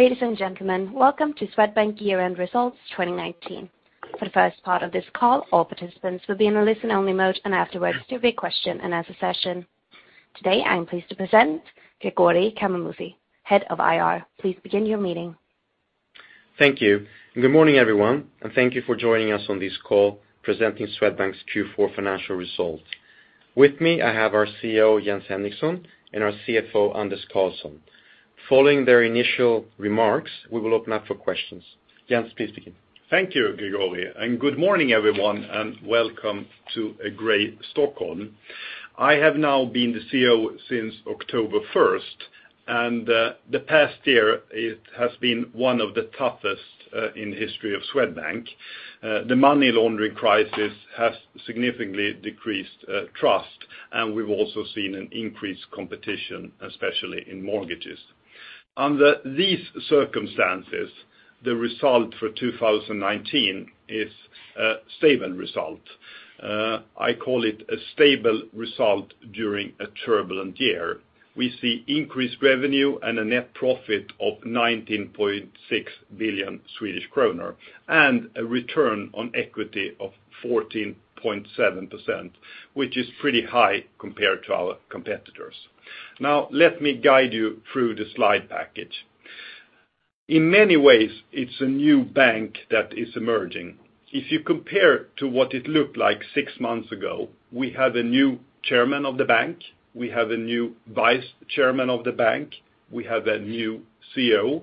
Ladies and gentlemen, welcome to Swedbank year-end results 2019. For the first part of this call, all participants will be in a listen-only mode, and afterwards there will be a question and answer session. Today, I'm pleased to present Gregori Karamouzis, Head of IR. Please begin your meeting. Thank you. Good morning, everyone, and thank you for joining us on this call, presenting Swedbank's Q4 financial results. With me, I have our CEO, Jens Henriksson, our CFO, Anders Karlsson. Following their initial remarks, we will open up for questions. Jens, please begin. Thank you, Gregori. Good morning, everyone, and welcome to a great Stockholm. I have now been the CEO since October 1st, and the past year has been one of the toughest in history of Swedbank. The money laundering crisis has significantly decreased trust, and we've also seen an increased competition, especially in mortgages. Under these circumstances, the result for 2019 is a stable result. I call it a stable result during a turbulent year. We see increased revenue and a net profit of 19.6 billion Swedish kronor and a return on equity of 14.7%, which is pretty high compared to our competitors. Now, let me guide you through the slide package. In many ways, it's a new bank that is emerging. If you compare it to what it looked like six months ago, we have a new Chairman of the bank. We have a new Vice Chairman of the bank. We have a new CEO.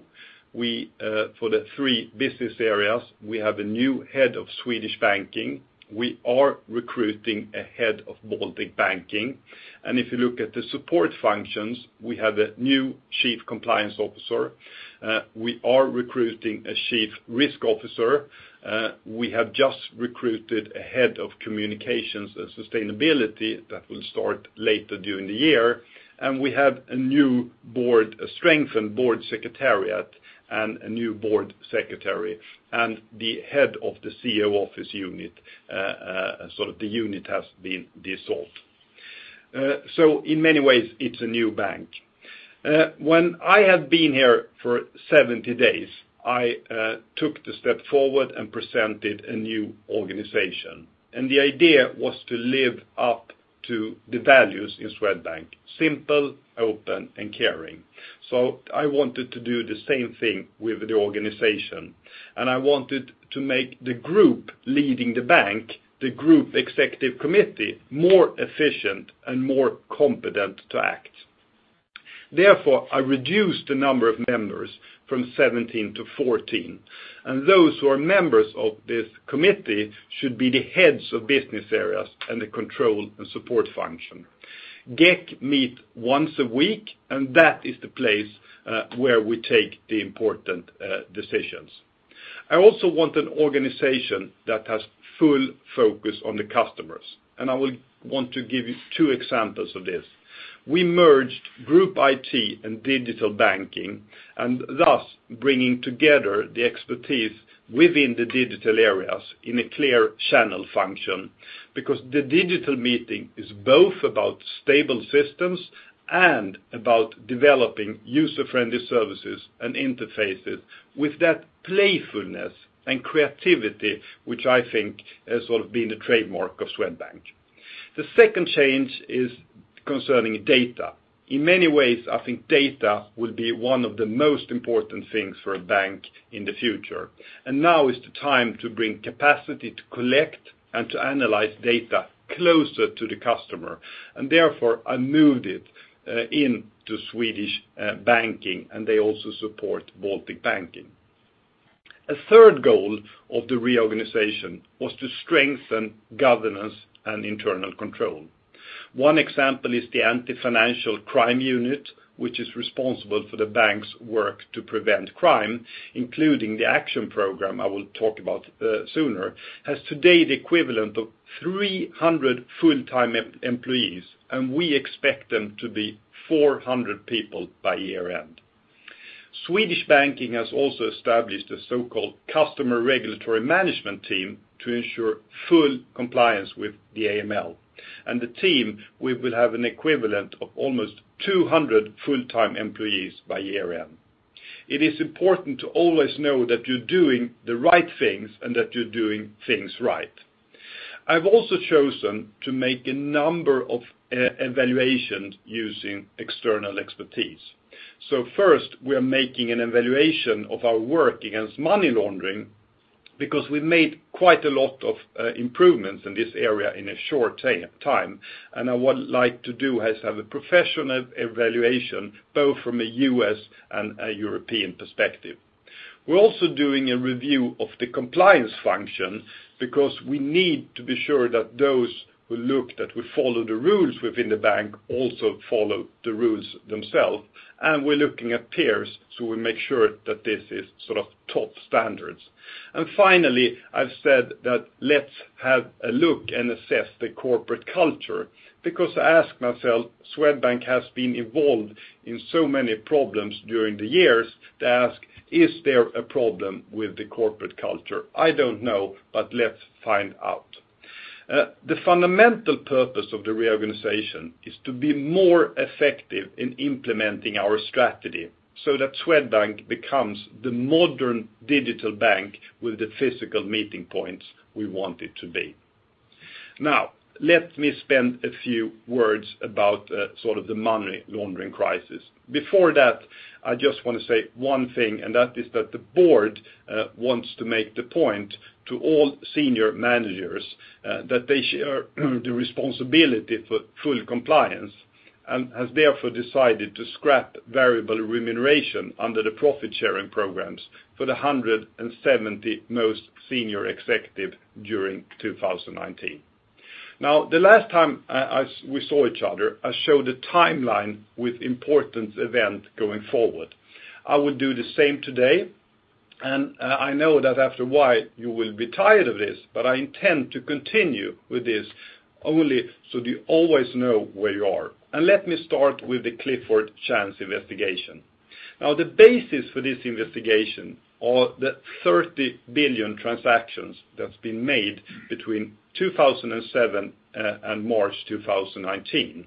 For the three business areas, we have a new Head of Swedish Banking. We are recruiting a Head of Baltic Banking. If you look at the support functions, we have a new Chief Compliance Officer. We are recruiting a Chief Risk Officer. We have just recruited a Head of Communications and Sustainability that will start later during the year. We have a strengthened Board Secretariat and a new Board Secretary and the head of the CEO office unit, the unit has been dissolved. In many ways, it's a new bank. When I have been here for 70 days, I took the step forward and presented a new organization, and the idea was to live up to the values in Swedbank: simple, open, and caring. I wanted to do the same thing with the organization, and I wanted to make the Group Executive Committee, more efficient and more competent to act. Therefore, I reduced the number of members from 17-14, and those who are members of this committee should be the heads of business areas and the control and support function. GEC meet once a week, and that is the place where we take the important decisions. I also want an organization that has full focus on the customers, and I will want to give you two examples of this. We merged Group IT and Digital Banking, and thus bringing together the expertise within the digital areas in a clear channel function, because the digital meeting is both about stable systems and about developing user-friendly services and interfaces with that playfulness and creativity, which I think has been the trademark of Swedbank. The second change is concerning data. In many ways, I think data will be one of the most important things for a bank in the future, and now is the time to bring capacity to collect and to analyze data closer to the customer, and therefore I moved it into Swedish Banking, and they also support Baltic Banking. A third goal of the reorganization was to strengthen governance and internal control. One example is the Anti-Financial Crime unit, which is responsible for the bank's work to prevent crime, including the action program I will talk about sooner, has today the equivalent of 300 full-time employees, and we expect them to be 400 people by year-end. Swedish Banking has also established a so-called customer regulatory management team to ensure full compliance with the AML. The team will have an equivalent of almost 200 full-time employees by year-end. It is important to always know that you're doing the right things and that you're doing things right. I've also chosen to make a number of evaluations using external expertise. First, we are making an evaluation of our work against money laundering because we made quite a lot of improvements in this area in a short time, and I would like to do is have a professional evaluation, both from a U.S. and a European perspective. We're also doing a review of the compliance function because we need to be sure that those who follow the rules within the bank also follow the rules themselves, and we're looking at peers, so we make sure that this is top standards. Finally, I've said that let's have a look and assess the corporate culture because I ask myself, Swedbank has been involved in so many problems during the years to ask, is there a problem with the corporate culture? I don't know, but let's find out. The fundamental purpose of the reorganization is to be more effective in implementing our strategy so that Swedbank becomes the modern digital bank with the physical meeting points we want it to be. Let me spend a few words about the money laundering crisis. Before that, I just want to say one thing, and that is that the board wants to make the point to all senior managers that they share the responsibility for full compliance and has therefore decided to scrap variable remuneration under the profit-sharing programs for the 170 most senior executives during 2019. The last time we saw each other, I showed a timeline with important events going forward. I will do the same today, and I know that after a while you will be tired of this, but I intend to continue with this only so you always know where you are. Let me start with the Clifford Chance investigation. Now the basis for this investigation are the 30 billion transactions that's been made between 2007 and March 2019.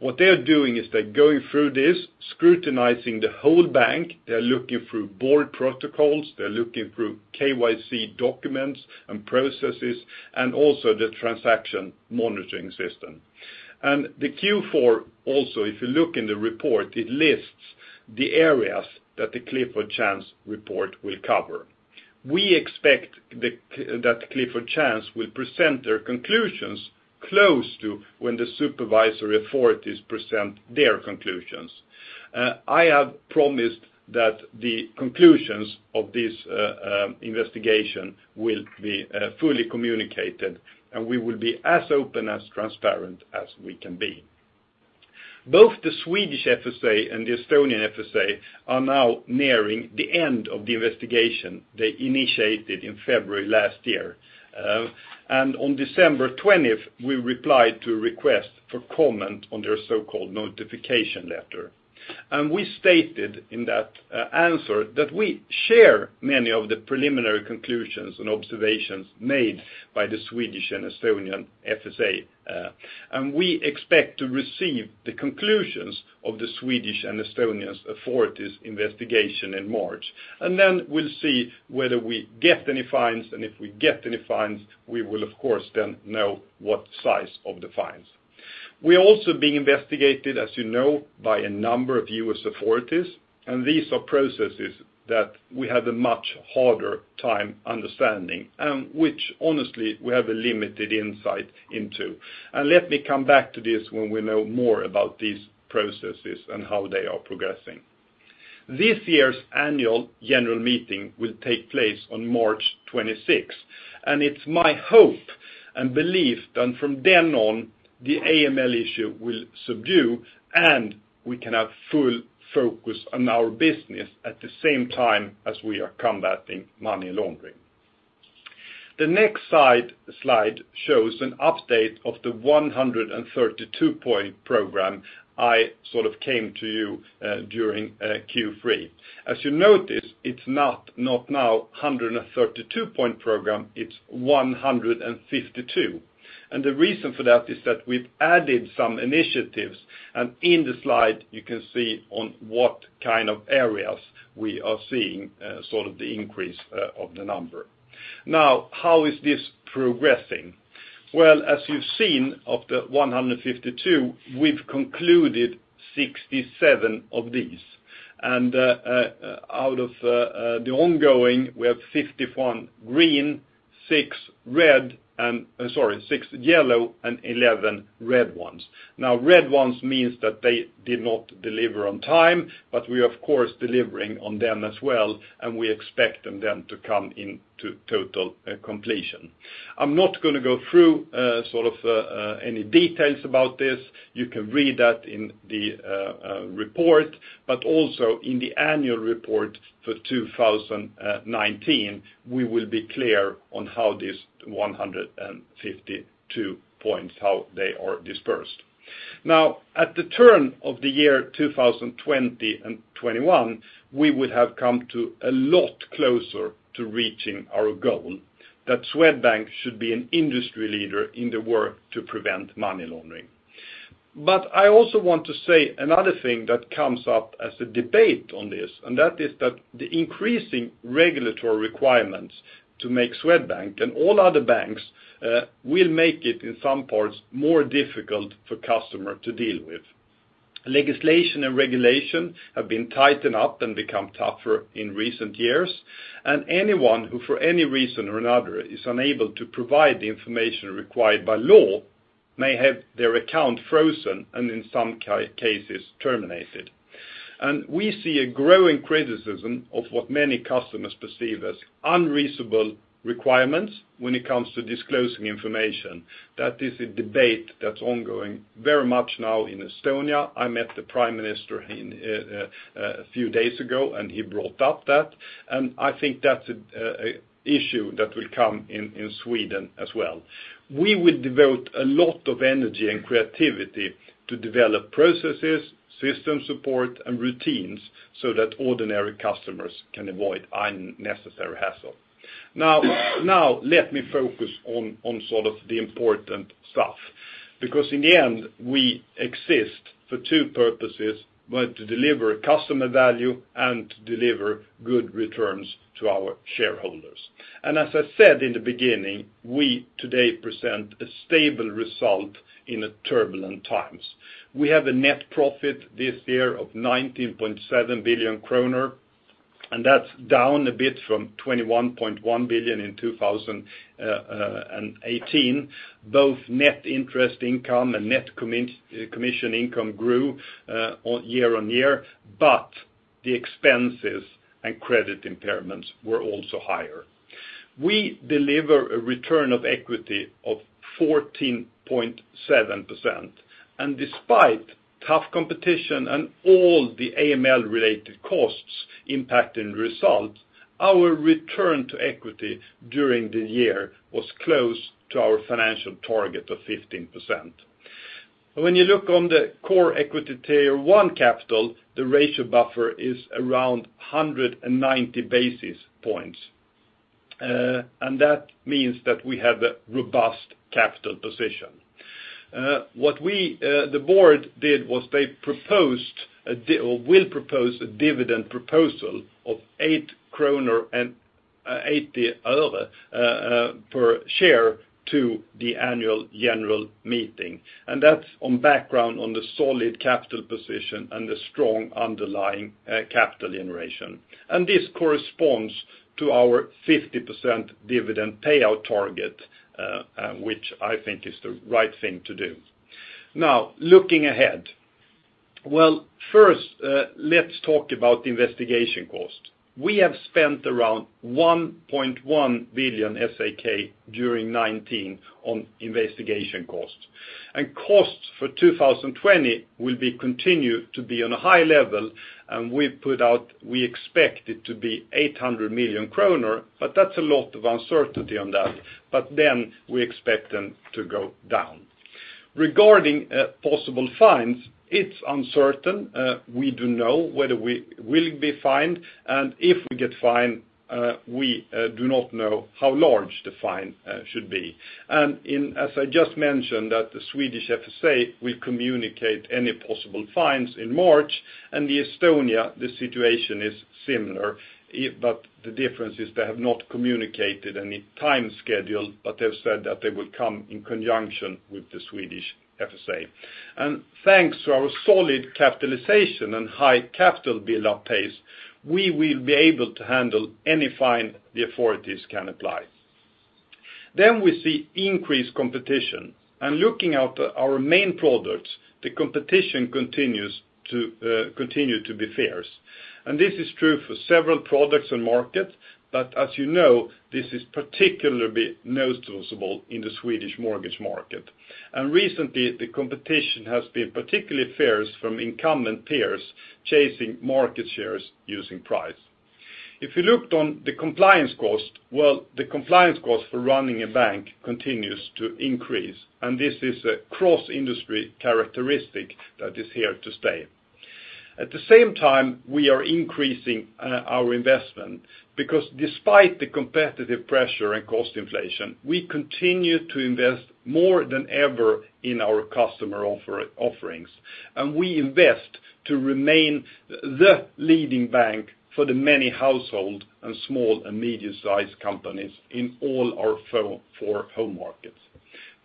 What they're doing is they're going through this, scrutinizing the whole bank. They're looking through board protocols. They're looking through KYC documents and processes, and also the transaction monitoring system. The Q4 also, if you look in the report, it lists the areas that the Clifford Chance report will cover. We expect that Clifford Chance will present their conclusions close to when the supervisory authorities present their conclusions. I have promised that the conclusions of this investigation will be fully communicated. We will be as open and as transparent as we can be. Both the Swedish FSA and the Estonian FSA are now nearing the end of the investigation they initiated in February last year. On December 20th, we replied to a request for comment on their so-called notification letter. We stated in that answer that we share many of the preliminary conclusions and observations made by the Swedish and Estonian FSA, and we expect to receive the conclusions of the Swedish and Estonian authorities' investigation in March. Then we'll see whether we get any fines, and if we get any fines, we will of course then know what size of the fines. We are also being investigated, as you know, by a number of U.S. authorities, and these are processes that we have a much harder time understanding and which, honestly, we have a limited insight into. Let me come back to this when we know more about these processes and how they are progressing. This year's Annual General Meeting will take place on March 26th, and it's my hope and belief that from then on, the AML issue will subdue, and we can have full focus on our business at the same time as we are combating money laundering. The next slide shows an update of the 132-point program I came to you during Q3. As you notice, it's not now a 132-point program, it's 152-point. The reason for that is that we've added some initiatives, and in the slide you can see on what kind of areas we are seeing the increase of the number. How is this progressing? Well, as you've seen, of the 152-point, we've concluded 67 of these. Out of the ongoing, we have 51 green, six yellow, and 11 red ones. Red ones means that they did not deliver on time, we are of course delivering on them as well, we expect them then to come into total completion. I'm not going to go through any details about this. You can read that in the report, also in the annual report for 2019, we will be clear on how these 152-point, how they are dispersed. At the turn of the year 2020 and 2021, we would have come a lot closer to reaching our goal that Swedbank should be an industry leader in the work to prevent money laundering. I also want to say another thing that comes up as a debate on this, and that is that the increasing regulatory requirements to make Swedbank and all other banks will make it, in some parts, more difficult for customers to deal with. Legislation and regulation have been tightened up and become tougher in recent years, and anyone who, for any reason or another, is unable to provide the information required by law may have their account frozen and in some cases terminated. We see a growing criticism of what many customers perceive as unreasonable requirements when it comes to disclosing information. That is a debate that's ongoing very much now in Estonia. I met the Prime Minister a few days ago, and he brought up that, and I think that's an issue that will come in Sweden as well. We will devote a lot of energy and creativity to develop processes, system support, and routines so that ordinary customers can avoid unnecessary hassle. Now let me focus on the important stuff. In the end, we exist for two purposes, to deliver customer value and to deliver good returns to our shareholders. As I said in the beginning, we today present a stable result in turbulent times. We have a net profit this year of 19.7 billion kronor. That's down a bit from 21.1 billion in 2018. Both net interest income and net commission income grew year-on-year. The expenses and credit impairments were also higher. We deliver a return of equity of 14.7%. Despite tough competition and all the AML-related costs impacting results, our return to equity during the year was close to our financial target of 15%. When you look on the core equity tier one capital, the ratio buffer is around 190 basis points. That means that we have a robust capital position. What the board did was they will propose a dividend proposal of SEK 8.80 per share to the annual general meeting. That's on background on the solid capital position and the strong underlying capital generation. This corresponds to our 50% dividend payout target, which I think is the right thing to do. Now, looking ahead. First, let's talk about investigation cost. We have spent around 1.1 billion during 2019 on investigation cost. Costs for 2020 will be continued to be on a high level, and we expect it to be 800 million kronor, but that's a lot of uncertainty on that. We expect them to go down. Regarding possible fines, it's uncertain. We do know whether we will be fined, and if we get fined, we do not know how large the fine should be. As I just mentioned that the Swedish FSA will communicate any possible fines in March, and the Estonia, the situation is similar. The difference is they have not communicated any time schedule, but they've said that they will come in conjunction with the Swedish FSA. Thanks to our solid capitalization and high capital build-up pace, we will be able to handle any fine the authorities can apply. We see increased competition. Looking at our main products, the competition continues to be fierce. This is true for several products and markets, but as you know, this is particularly noticeable in the Swedish mortgage market. Recently, the competition has been particularly fierce from incumbent peers chasing market shares using price. If you looked on the compliance cost, well, the compliance cost for running a bank continues to increase, and this is a cross-industry characteristic that is here to stay. At the same time, we are increasing our investment because despite the competitive pressure and cost inflation, we continue to invest more than ever in our customer offerings. We invest to remain the leading bank for the many households and small and medium-sized companies in all our four home markets.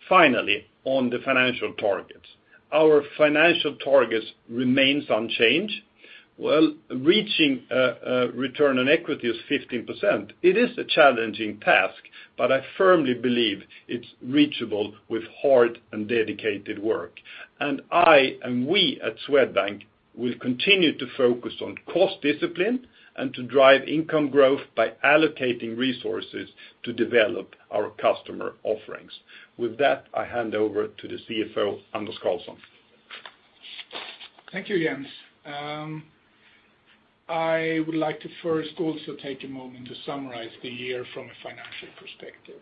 Finally, on the financial targets. Our financial targets remain unchanged. Well, reaching a return on equity is 15%. It is a challenging task, but I firmly believe it's reachable with hard and dedicated work. I and we at Swedbank will continue to focus on cost discipline and to drive income growth by allocating resources to develop our customer offerings. With that, I hand over to the CFO, Anders Karlsson. Thank you, Jens. I would like to first also take a moment to summarize the year from a financial perspective.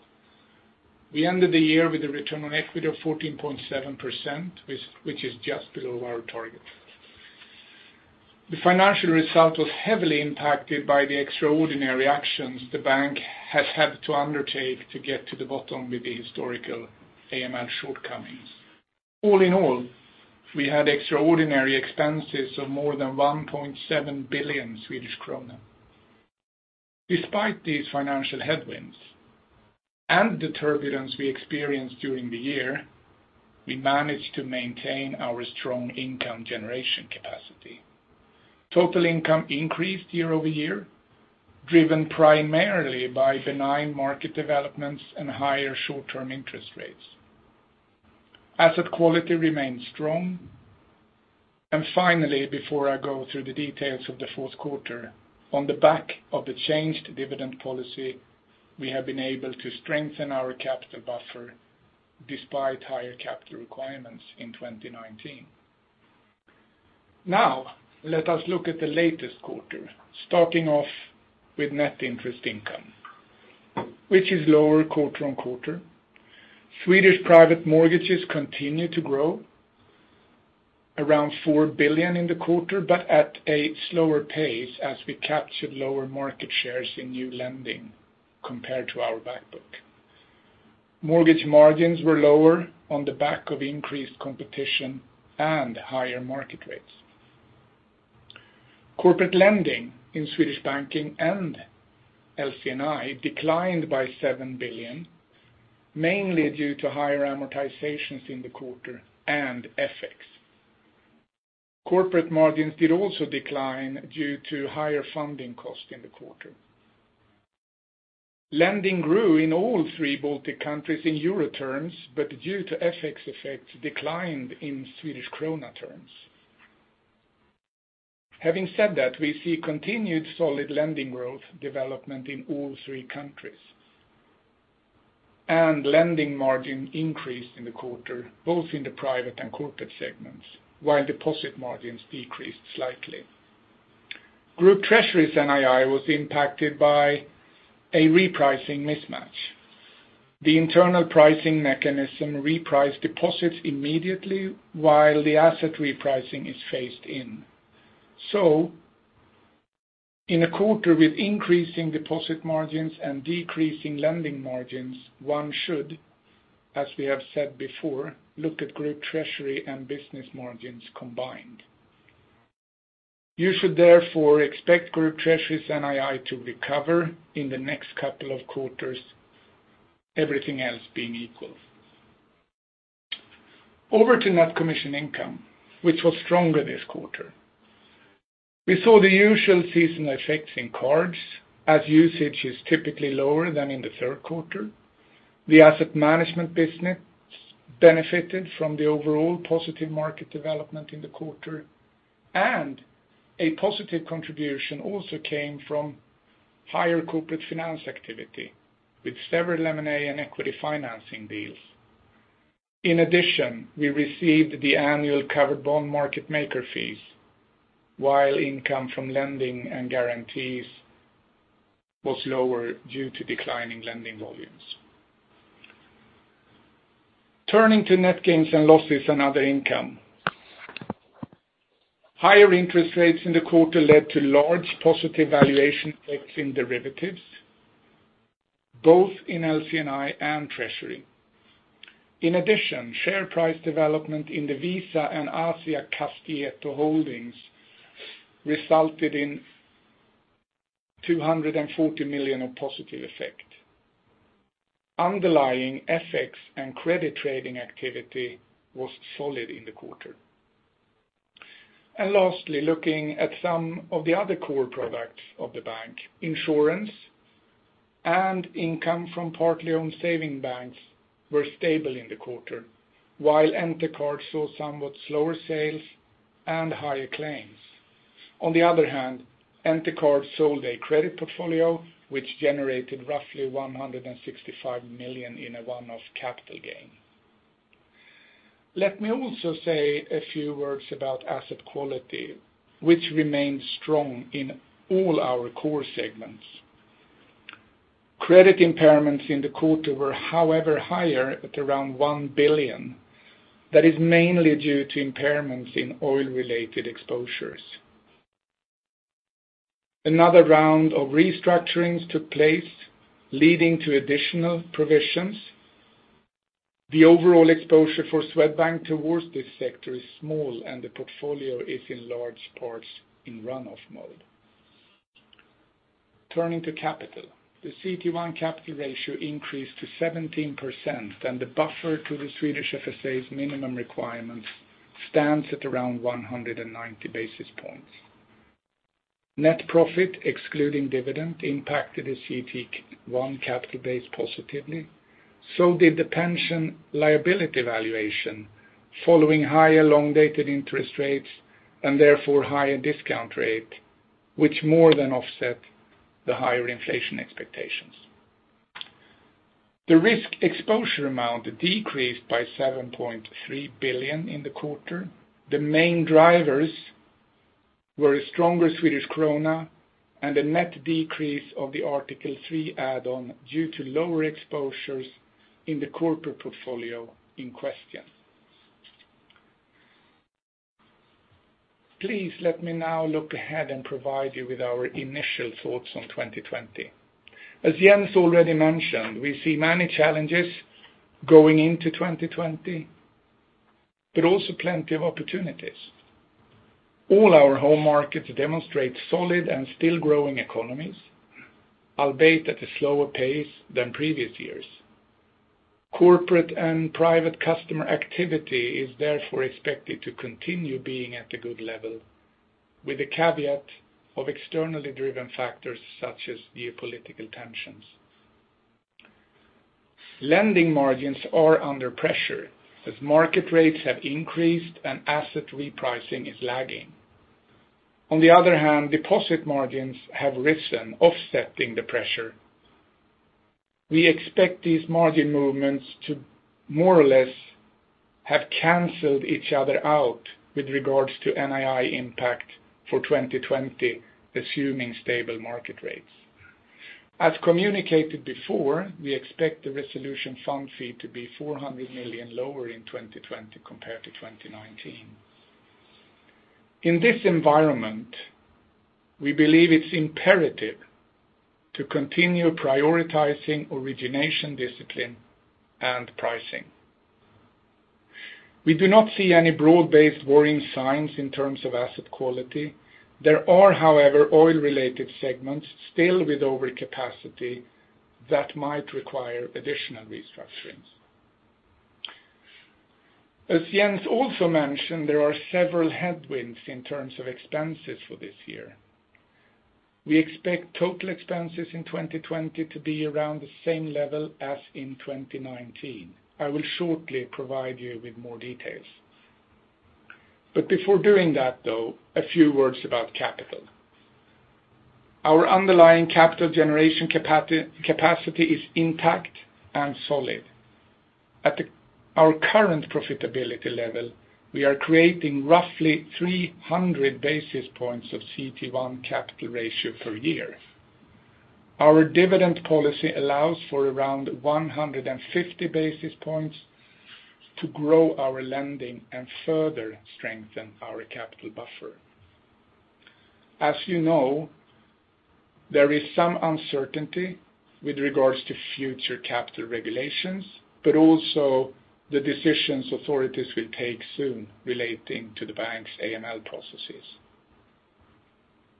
We ended the year with a return on equity of 14.7%, which is just below our target. The financial result was heavily impacted by the extraordinary actions the bank has had to undertake to get to the bottom with the historical AML shortcomings. All in all, we had extraordinary expenses of more than 1.7 billion Swedish krona. Despite these financial headwinds and the turbulence we experienced during the year, we managed to maintain our strong income generation capacity. Total income increased year-over-year, driven primarily by benign market developments and higher short-term interest rates. Asset quality remains strong. Finally, before I go through the details of the fourth quarter, on the back of the changed dividend policy, we have been able to strengthen our capital buffer despite higher capital requirements in 2019. Let us look at the latest quarter, starting off with net interest income, which is lower quarter-on-quarter. Swedish private mortgages continue to grow. Around 4 billion in the quarter, but at a slower pace as we captured lower market shares in new lending compared to our back book. Mortgage margins were lower on the back of increased competition and higher market rates. Corporate lending in Swedish Banking and LC&I declined by 7 billion, mainly due to higher amortizations in the quarter and FX. Corporate margins did also decline due to higher funding costs in the quarter. Lending grew in all three Baltic countries in euro terms, but due to FX effects, declined in SEK terms. Having said that, we see continued solid lending growth development in all three countries, and lending margin increased in the quarter, both in the private and corporate segments, while deposit margins decreased slightly. Group Treasury's NII was impacted by a repricing mismatch. The internal pricing mechanism repriced deposits immediately while the asset repricing is phased in. In a quarter with increasing deposit margins and decreasing lending margins, one should, as we have said before, look at Group Treasury and business margins combined. You should therefore expect Group Treasury's NII to recover in the next couple of quarters, everything else being equal. Over to net commission income, which was stronger this quarter. We saw the usual seasonal effects in cards, as usage is typically lower than in the third quarter. The asset management business benefited from the overall positive market development in the quarter, a positive contribution also came from higher corporate finance activity with several M&A and equity financing deals. In addition, we received the annual covered bond market maker fees, while income from lending and guarantees was lower due to declining lending volumes. Turning to net gains and losses and other income. Higher interest rates in the quarter led to large positive valuation effects in derivatives, both in LC&I and Treasury. In addition, share price development in the Visa and Asiakastieto Holdings resulted in 240 million of positive effect. Underlying FX and credit trading activity was solid in the quarter. Lastly, looking at some of the other core products of the bank, insurance and income from partly owned saving banks were stable in the quarter, while Entercard saw somewhat slower sales and higher claims. On the other hand, Entercard sold a credit portfolio, which generated roughly 165 million in a one-off capital gain. Let me also say a few words about asset quality, which remains strong in all our core segments. Credit impairments in the quarter were however higher at around 1 billion. That is mainly due to impairments in oil-related exposures. Another round of restructurings took place, leading to additional provisions. The overall exposure for Swedbank towards this sector is small, and the portfolio is in large parts in run-off mode. Turning to capital. The CET1 capital ratio increased to 17%, and the buffer to the Swedish FSA's minimum requirements stands at around 190 basis points. Net profit excluding dividend impacted the CET1 capital base positively. Did the pension liability valuation following higher long-dated interest rates and therefore higher discount rate, which more than offset the higher inflation expectations. The risk exposure amount decreased by 7.3 billion in the quarter. The main drivers were a stronger Swedish krona and a net decrease of the Article 3 add on due to lower exposures in the corporate portfolio in question. Please let me now look ahead and provide you with our initial thoughts on 2020. As Jens already mentioned, we see many challenges going into 2020, but also plenty of opportunities. All our home markets demonstrate solid and still growing economies, albeit at a slower pace than previous years. Corporate and private customer activity is therefore expected to continue being at a good level with the caveat of externally driven factors such as geopolitical tensions. Lending margins are under pressure as market rates have increased and asset repricing is lagging. On the other hand, deposit margins have risen, offsetting the pressure. We expect these margin movements to more or less have canceled each other out with regards to NII impact for 2020, assuming stable market rates. As communicated before, we expect the resolution fund fee to be 400 million lower in 2020 compared to 2019. In this environment, we believe it's imperative to continue prioritizing origination discipline and pricing. We do not see any broad-based worrying signs in terms of asset quality. There are, however, oil-related segments still with overcapacity that might require additional restructurings. As Jens also mentioned, there are several headwinds in terms of expenses for this year. We expect total expenses in 2020 to be around the same level as in 2019. I will shortly provide you with more details. Before doing that, though, a few words about capital. Our underlying capital generation capacity is intact and solid. At our current profitability level, we are creating roughly 300 basis points of CET1 capital ratio per year. Our dividend policy allows for around 150 basis points to grow our lending and further strengthen our capital buffer. As you know, there is some uncertainty with regards to future capital regulations, also the decisions authorities will take soon relating to the bank's AML processes.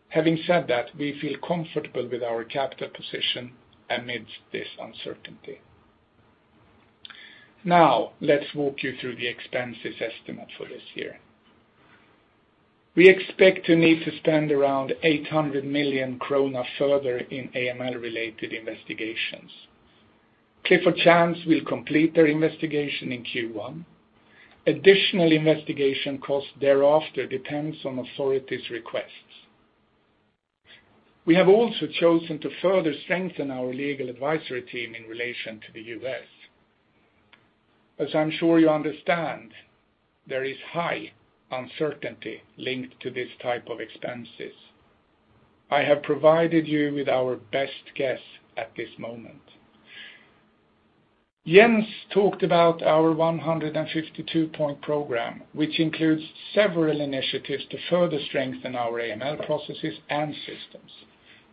Having said that, we feel comfortable with our capital position amidst this uncertainty. Let's walk you through the expenses estimate for this year. We expect to need to spend around 800 million kronor further in AML-related investigations. Clifford Chance will complete their investigation in Q1. Additional investigation cost thereafter depends on authorities' requests. We have also chosen to further strengthen our legal advisory team in relation to the U.S. As I'm sure you understand, there is high uncertainty linked to this type of expenses. I have provided you with our best guess at this moment. Jens talked about our 152-point program, which includes several initiatives to further strengthen our AML processes and systems.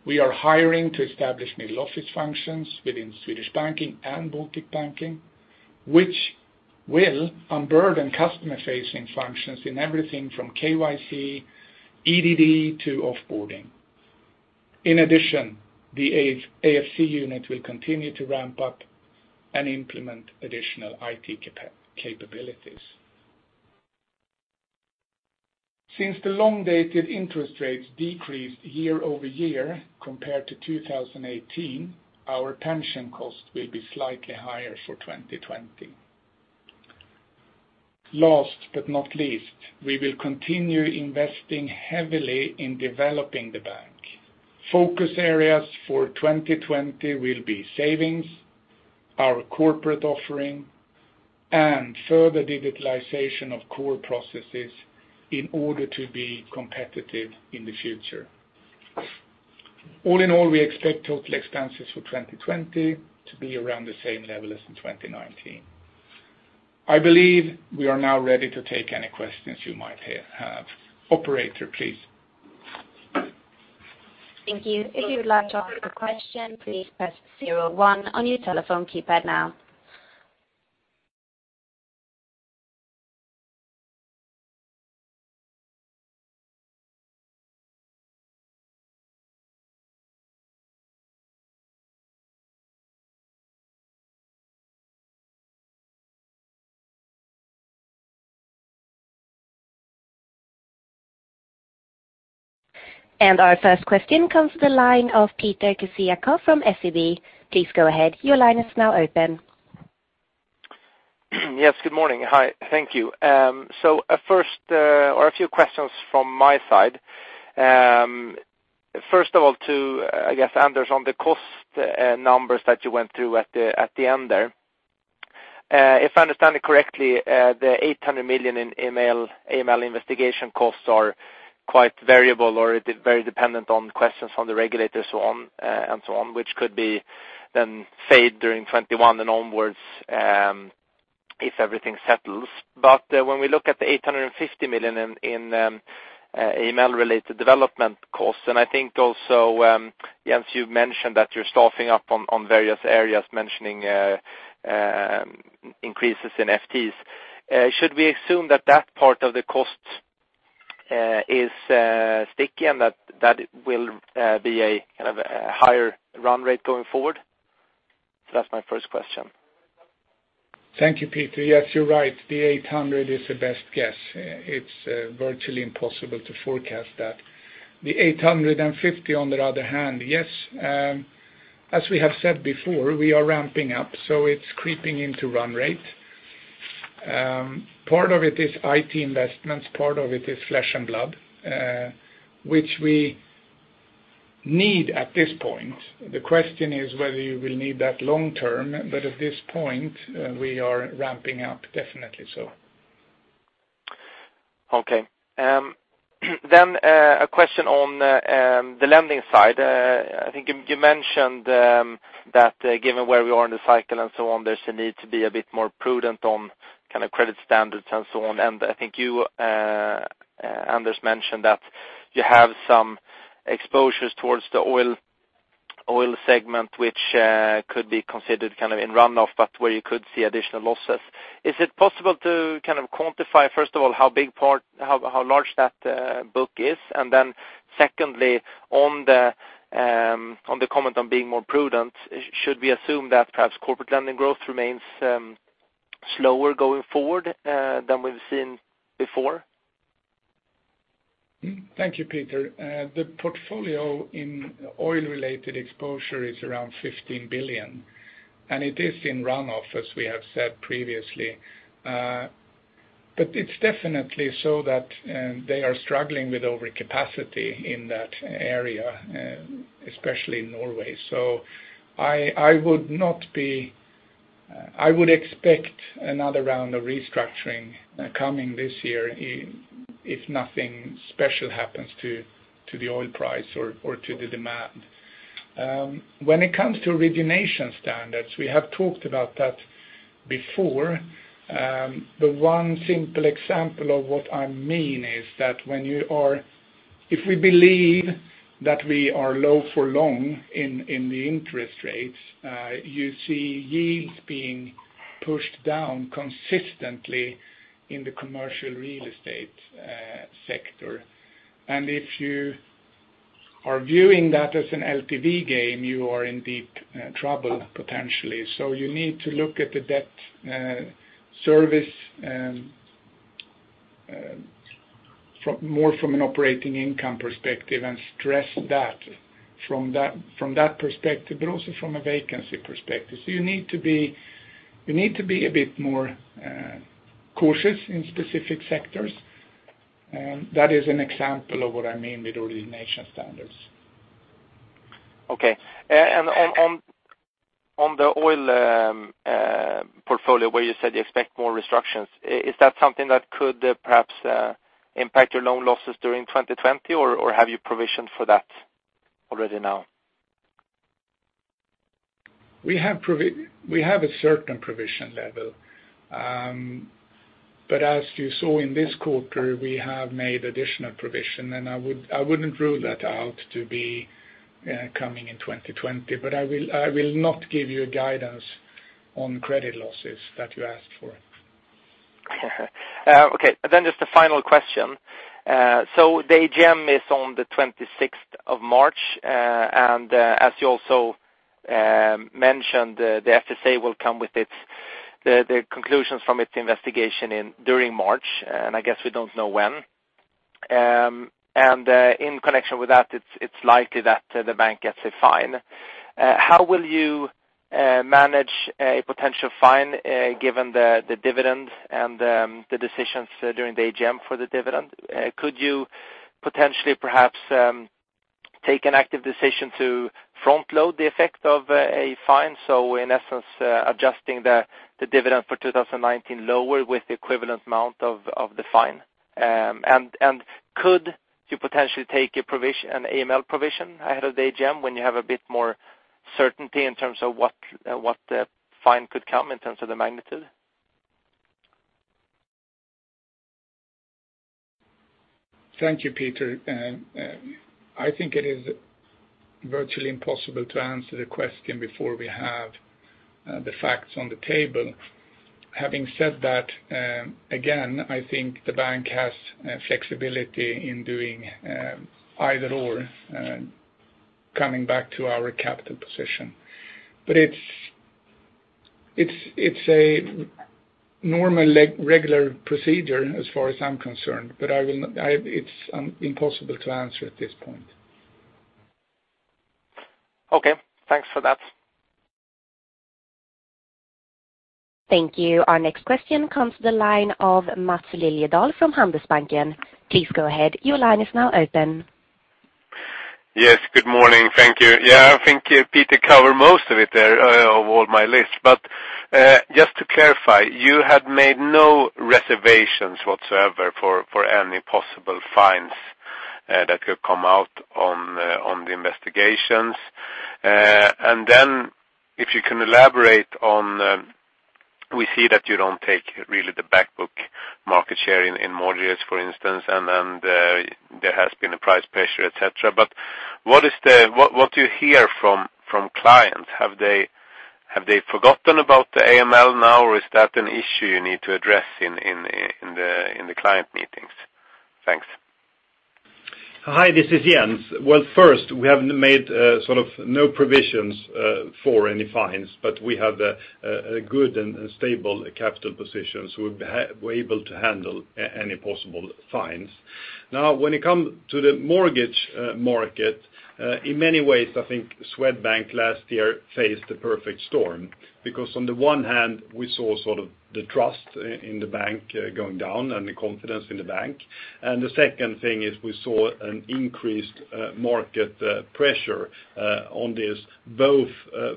We are hiring to establish middle office functions within Swedish Banking and Baltic Banking, which will unburden customer-facing functions in everything from KYC, EDD, to off-boarding. The AFC unit will continue to ramp up and implement additional IT capabilities. Since the long-dated interest rates decreased year-over-year compared to 2018, our pension cost will be slightly higher for 2020. Last but not least, we will continue investing heavily in developing the bank. Focus areas for 2020 will be savings, our corporate offering, and further digitalization of core processes in order to be competitive in the future. We expect total expenses for 2020 to be around the same level as in 2019. I believe we are now ready to take any questions you might have. Operator, please. Thank you. If you would like to ask a question, please press zero one on your telephone keypad now. Our first question comes to the line of Peter Kessiakoff from SEB. Please go ahead. Your line is now open. Yes, good morning. Hi, thank you. A few questions from my side. First of all to, I guess, Anders, on the cost numbers that you went through at the end there. If I understand it correctly, the 800 million in AML investigation costs are quite variable or very dependent on questions from the regulators and so on, which could then fade during 2021 and onwards if everything settles. When we look at the 850 million in AML-related development costs, and I think also, Jens, you've mentioned that you're staffing up on various areas, mentioning increases in FTEs. Should we assume that that part of the cost is sticky and that will be a higher run rate going forward? That's my first question. Thank you, Peter. You're right. The 800 million is a best guess. It's virtually impossible to forecast that. The 850 million, on the other hand, yes. As we have said before, we are ramping up, so it's creeping into run rate. Part of it is IT investments, part of it is flesh and blood, which we need at this point. The question is whether you will need that long term, but at this point, we are ramping up definitely so. Okay. A question on the lending side. I think you mentioned that given where we are in the cycle and so on, there's a need to be a bit more prudent on credit standards and so on. I think you, Anders, mentioned that you have some exposures towards the oil segment, which could be considered in runoff, but where you could see additional losses. Is it possible to quantify, first of all, how large that book is? Secondly, on the comment on being more prudent, should we assume that perhaps corporate lending growth remains slower going forward than we've seen before? Thank you, Peter. The portfolio in oil-related exposure is around 15 billion, and it is in runoff, as we have said previously. It's definitely so that they are struggling with overcapacity in that area, especially in Norway. I would expect another round of restructuring coming this year if nothing special happens to the oil price or to the demand. When it comes to origination standards, we have talked about that before. The one simple example of what I mean is that if we believe that we are low for long in the interest rates, you see yields being pushed down consistently in the commercial real estate sector. If you are viewing that as an LTV game, you are in deep trouble, potentially. You need to look at the debt service more from an operating income perspective and stress that from that perspective, but also from a vacancy perspective. You need to be a bit more cautious in specific sectors. That is an example of what I mean with origination standards. Okay. On the oil portfolio where you said you expect more restructures, is that something that could perhaps impact your loan losses during 2020? Or have you provisioned for that already now? We have a certain provision level. As you saw in this quarter, we have made additional provision, and I wouldn't rule that out to be coming in 2020. I will not give you a guidance on credit losses that you asked for. Okay. Just a final question. The AGM is on the 26th of March, and as you also mentioned, the FSA will come with the conclusions from its investigation during March, and I guess we don't know when. In connection with that, it's likely that the bank gets a fine. How will you manage a potential fine given the dividends and the decisions during the AGM for the dividend? Could you potentially perhaps take an active decision to front-load the effect of a fine? In essence, adjusting the dividend for 2019 lower with the equivalent amount of the fine. Could you potentially take an AML provision ahead of the AGM when you have a bit more certainty in terms of what fine could come in terms of the magnitude? Thank you, Peter. I think it is virtually impossible to answer the question before we have the facts on the table. Having said that, again, I think the bank has flexibility in doing either/or, coming back to our capital position. It's a normal, regular procedure as far as I'm concerned, but it's impossible to answer at this point. Okay. Thanks for that. Thank you. Our next question comes to the line of Maths Liljedahl from Handelsbanken. Please go ahead. Your line is now open. Yes, good morning. Thank you. Yeah, I think Peter covered most of it there of all my list. Just to clarify, you had made no reservations whatsoever for any possible fines that could come out on the investigations. If you can elaborate on, we see that you don't take really the back book market share in mortgages, for instance, and there has been a price pressure, et cetera. What do you hear from clients? Have they forgotten about the AML now, or is that an issue you need to address in the client meetings? Thanks. Hi, this is Jens. Well, first, we have made no provisions for any fines, but we have a good and stable capital position, so we're able to handle any possible fines. Now, when it comes to the mortgage market, in many ways, I think Swedbank last year faced the perfect storm because on the one hand, we saw the trust in the bank going down and the confidence in the bank. The second thing is we saw an increased market pressure on this, both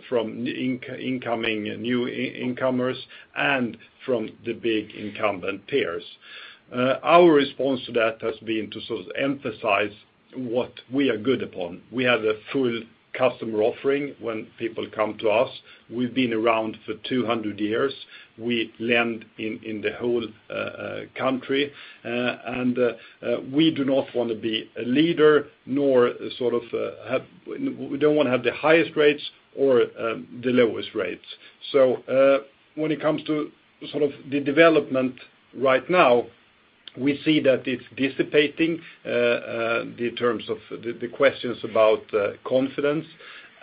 from new incomers and from the big incumbent peers. Our response to that has been to emphasize what we are good upon. We have a full customer offering when people come to us. We've been around for 200 years. We lend in the whole country, and we do not want to be a leader, nor we don't want to have the highest rates or the lowest rates. When it comes to the development right now, we see that it's dissipating, the terms of the questions about confidence,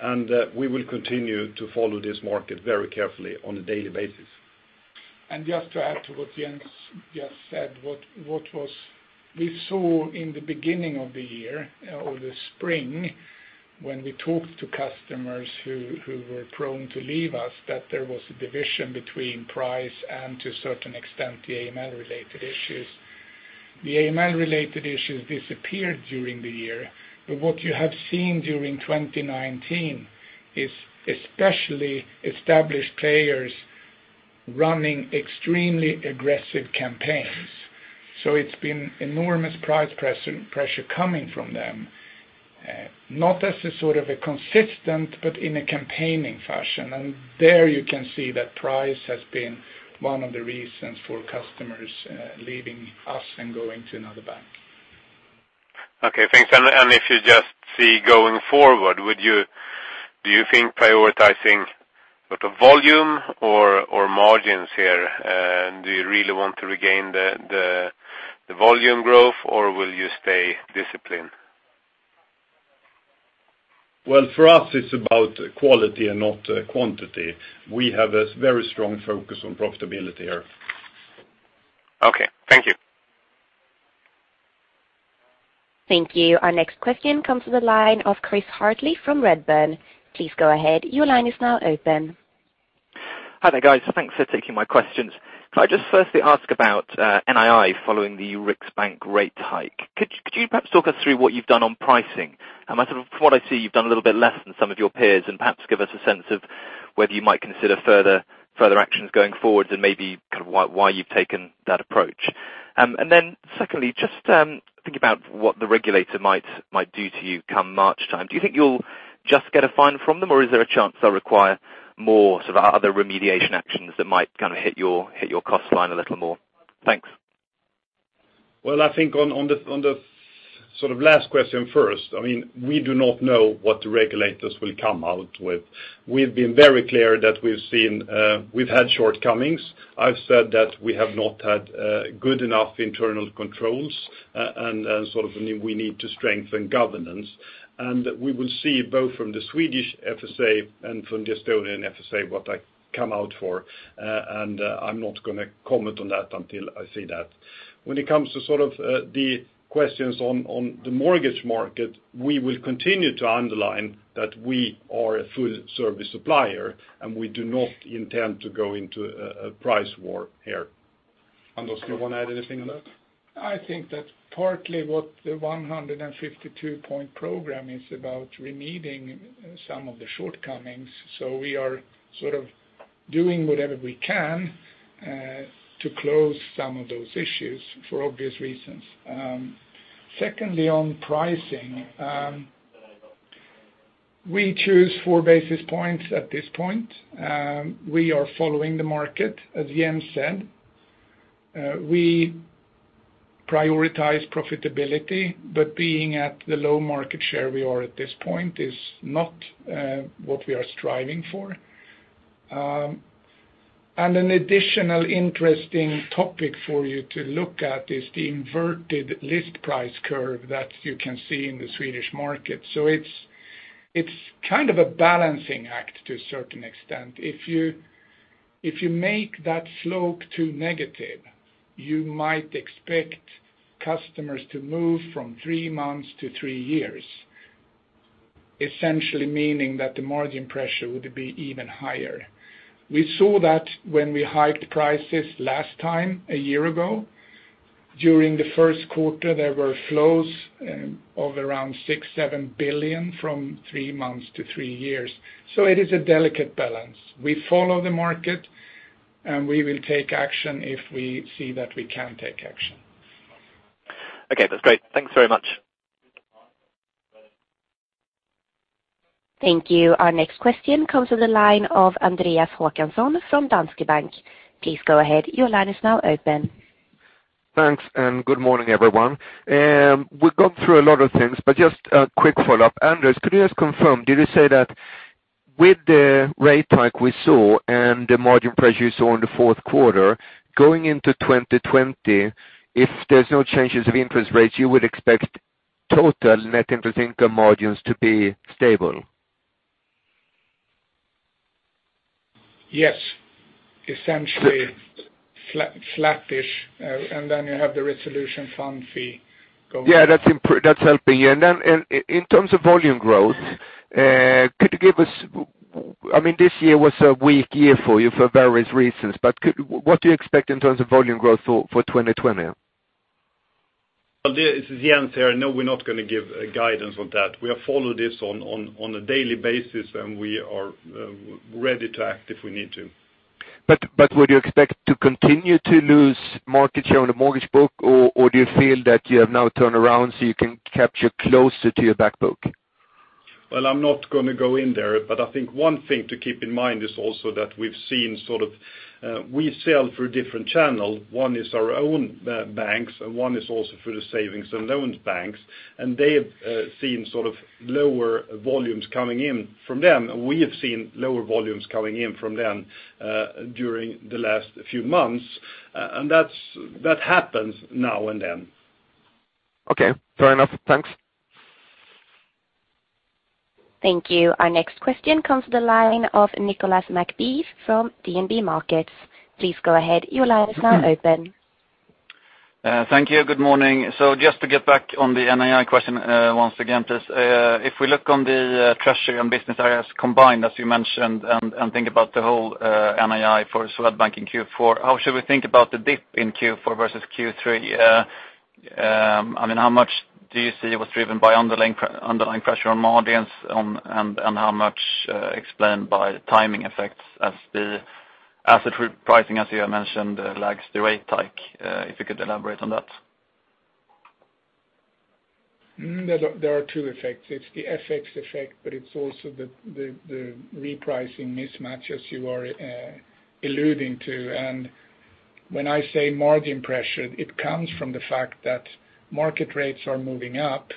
and we will continue to follow this market very carefully on a daily basis. Just to add to what Jens just said, what we saw in the beginning of the year or the spring when we talked to customers who were prone to leave us, that there was a division between price and to a certain extent, the AML-related issues. The AML-related issues disappeared during the year. What you have seen during 2019 is especially established players running extremely aggressive campaigns. It's been enormous price pressure coming from them, not as a consistent but in a campaigning fashion. There you can see that price has been one of the reasons for customers leaving us and going to another bank. Okay, thanks. If you just see going forward, do you think prioritizing volume or margins here? Do you really want to regain the volume growth or will you stay disciplined? Well, for us it's about quality and not quantity. We have a very strong focus on profitability here. Okay. Thank you. Thank you. Our next question comes to the line of Chris Hartley from Redburn. Please go ahead. Your line is now open. Hi there, guys. Thanks for taking my questions. Could I just firstly ask about NII following the Riksbank rate hike? Could you perhaps talk us through what you've done on pricing? From what I see, you've done a little bit less than some of your peers, and perhaps give us a sense of whether you might consider further actions going forward and maybe why you've taken that approach. Secondly, just thinking about what the regulator might do to you come March time. Do you think you'll just get a fine from them or is there a chance they'll require more other remediation actions that might hit your cost line a little more? Thanks. I think on the last question first, we do not know what the regulators will come out with. We've been very clear that we've had shortcomings. I've said that we have not had good enough internal controls and we need to strengthen governance. We will see both from the Swedish FSA and from the Estonian FSA what that come out for. I'm not going to comment on that until I see that. When it comes to the questions on the mortgage market, we will continue to underline that we are a full-service supplier, and we do not intend to go into a price war here. Anders, do you want to add anything on that? I think that partly what the 152-point program is about remedying some of the shortcomings. We are doing whatever we can to close some of those issues for obvious reasons. Secondly, on pricing we choose four basis points at this point. We are following the market, as Jens said. We prioritize profitability, but being at the low market share we are at this point is not what we are striving for. An additional interesting topic for you to look at is the inverted list price curve that you can see in the Swedish market. It's a balancing act to a certain extent. If you make that slope too negative, you might expect customers to move from three months to three years, essentially meaning that the margin pressure would be even higher. We saw that when we hiked prices last time a year ago. During the first quarter, there were flows of around 6 billion, 7 billion from three months to three years. It is a delicate balance. We follow the market, and we will take action if we see that we can take action. Okay, that's great. Thanks very much. Thank you. Our next question comes to the line of Andreas Håkansson from Danske Bank. Please go ahead. Your line is now open. Thanks, good morning, everyone. We've gone through a lot of things, just a quick follow-up. Anders, could you just confirm, did you say that with the rate hike we saw and the margin pressure you saw in the fourth quarter, going into 2020, if there's no changes of interest rates, you would expect total net interest income margins to be stable? Yes. Essentially flattish. Then you have the resolution fund fee going. Yeah, that's helping you. This year was a weak year for you for various reasons. What do you expect in terms of volume growth for 2020? Well, this is Jens here. No, we're not going to give guidance on that. We follow this on a daily basis, and we are ready to act if we need to. Would you expect to continue to lose market share on the mortgage book, or do you feel that you have now turned around so you can capture closer to your back book? Well, I think one thing to keep in mind is also that we sell through different channels. One is our own banks, one is also through the savings and loans banks. They have seen lower volumes coming in from them. We have seen lower volumes coming in from them during the last few months. That happens now and then. Okay. Fair enough. Thanks. Thank you. Our next question comes to the line of Nicholas McBeath from DNB Markets. Please go ahead. Your line is now open. Thank you. Good morning. Just to get back on the NII question once again, please. If we look on the Group Treasury and business areas combined, as you mentioned, and think about the whole NII for Swedbank in Q4, how should we think about the dip in Q4 versus Q3? How much do you see was driven by underlying pressure on margins, and how much explained by timing effects as the asset repricing, as you have mentioned, lags the rate hike? If you could elaborate on that. There are two effects. It's the FX effect, but it's also the repricing mismatch as you are alluding to. When I say margin pressure, it comes from the fact that market rates are moving up.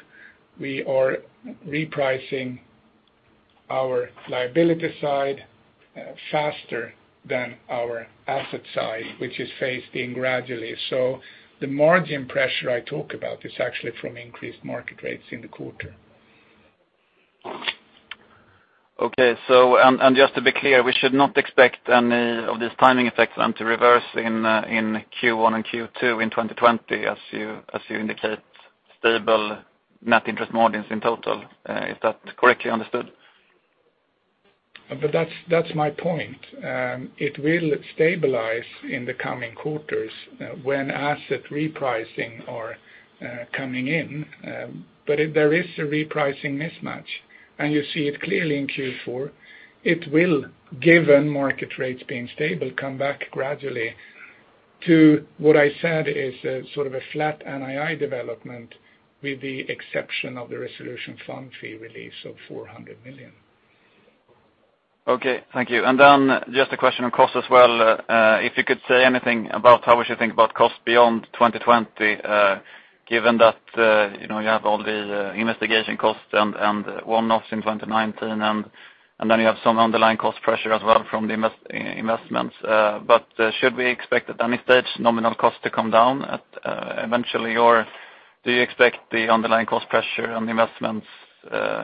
We are repricing our liability side faster than our asset side, which is phased in gradually. The margin pressure I talk about is actually from increased market rates in the quarter. Okay. Just to be clear, we should not expect any of these timing effects then to reverse in Q1 and Q2 in 2020 as you indicate stable net interest margins in total. Is that correctly understood? That's my point. It will stabilize in the coming quarters when asset repricing are coming in. There is a repricing mismatch, and you see it clearly in Q4. It will, given market rates being stable, come back gradually to what I said is a flat NII development with the exception of the resolution fund fee release of 400 million. Okay. Thank you. Just a question on cost as well. If you could say anything about how we should think about cost beyond 2020, given that you have all the investigation costs and one-offs in 2019, and then you have some underlying cost pressure as well from the investments. Should we expect at any stage nominal costs to come down eventually? Do you expect the underlying cost pressure on the investments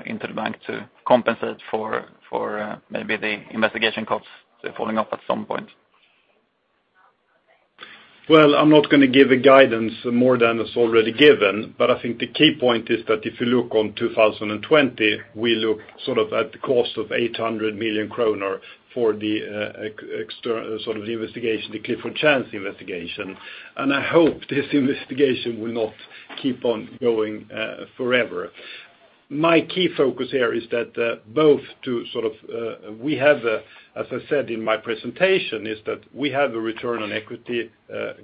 into the bank to compensate for maybe the investigation costs falling off at some point? I'm not going to give a guidance more than is already given. I think the key point is that if you look on 2020, we look at the cost of 800 million kronor for the Clifford Chance investigation. I hope this investigation will not keep on going forever. My key focus here is that, as I said in my presentation, is that we have a return on equity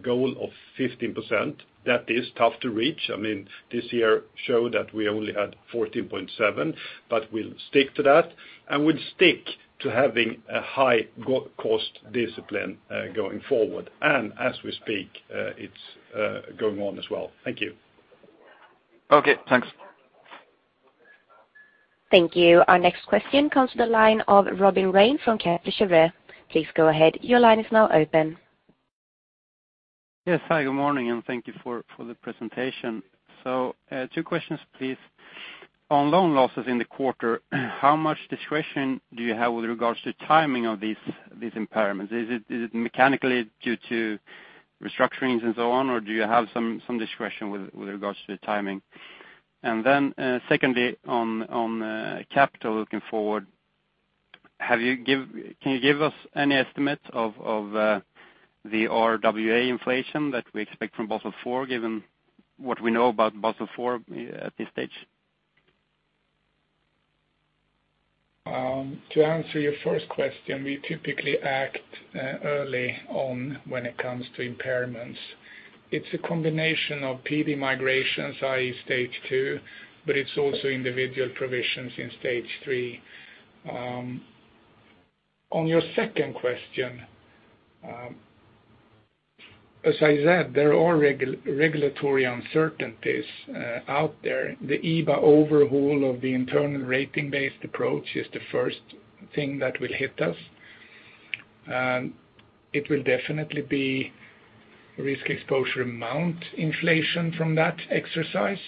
goal of 15%. That is tough to reach. This year showed that we only had 14.7%, but we'll stick to that, and we'll stick to having a high cost discipline going forward. As we speak, it's going on as well. Thank you. Okay. Thanks. Thank you. Our next question comes to the line of Robin Rane from Kepler Cheuvreux. Please go ahead. Your line is now open. Hi, good morning. Thank you for the presentation. Two questions, please. On loan losses in the quarter, how much discretion do you have with regards to timing of these impairments? Is it mechanically due to restructurings and so on, or do you have some discretion with regards to the timing? Secondly, on capital looking forward, can you give us any estimate of the RWA inflation that we expect from Basel IV, given what we know about Basel IV at this stage? To answer your first question, we typically act early on when it comes to impairments. It's a combination of PD migrations, i.e., Stage 2, but it's also individual provisions in Stage 3. Your second question, as I said, there are regulatory uncertainties out there. The EBA overhaul of the Internal Ratings-Based Approach is the first thing that will hit us. It will definitely be risk exposure amount inflation from that exercise.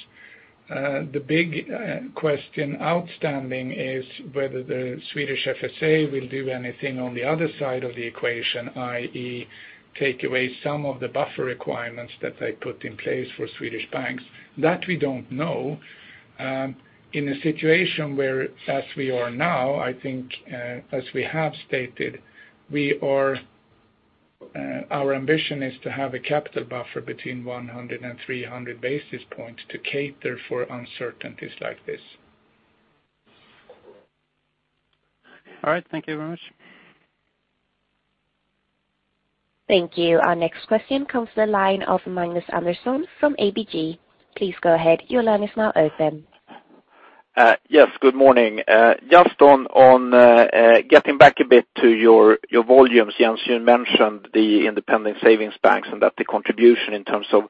The big question outstanding is whether the Swedish FSA will do anything on the other side of the equation, i.e., take away some of the buffer requirements that they put in place for Swedish banks. We don't know. Our ambition is to have a capital buffer between 100 basis points and 300 basis points to cater for uncertainties like this. All right, thank you very much. Thank you. Our next question comes from the line of Magnus Andersson from ABG. Please go ahead. Your line is now open. Yes, good morning. Just on getting back a bit to your volumes, Jens, you mentioned the independent savings banks and that the contribution in terms of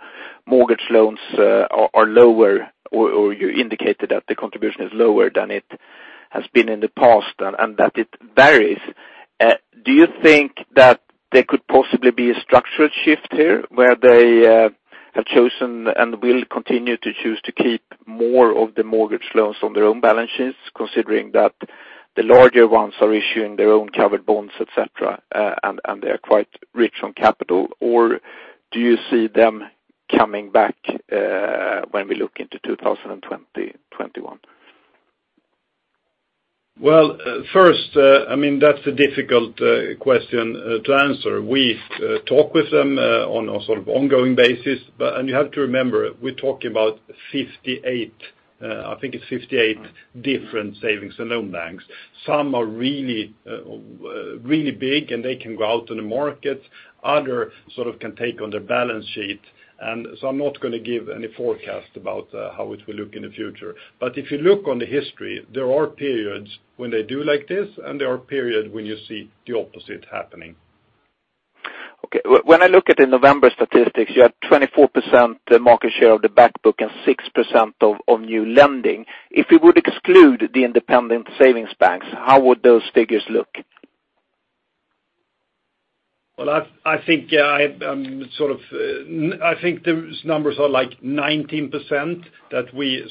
mortgage loans are lower, or you indicated that the contribution is lower than it has been in the past, and that it varies. Do you think that there could possibly be a structural shift here, where they have chosen and will continue to choose to keep more of the mortgage loans on their own balance sheets, considering that the larger ones are issuing their own covered bonds, et cetera, and they are quite rich on capital? Do you see them coming back when we look into 2021? Well, first, that's a difficult question to answer. We talk with them on a sort of ongoing basis. You have to remember, we're talking about 58%, I think it's 58% different savings and loan banks. Some are really big, they can go out on the market. Other can take on their balance sheet. I'm not going to give any forecast about how it will look in the future. If you look on the history, there are periods when they do like this, and there are periods when you see the opposite happening. Okay. When I look at the November statistics, you had 24% market share of the back book and 6% of new lending. If you would exclude the independent savings banks, how would those figures look? I think those numbers are like 19%, that we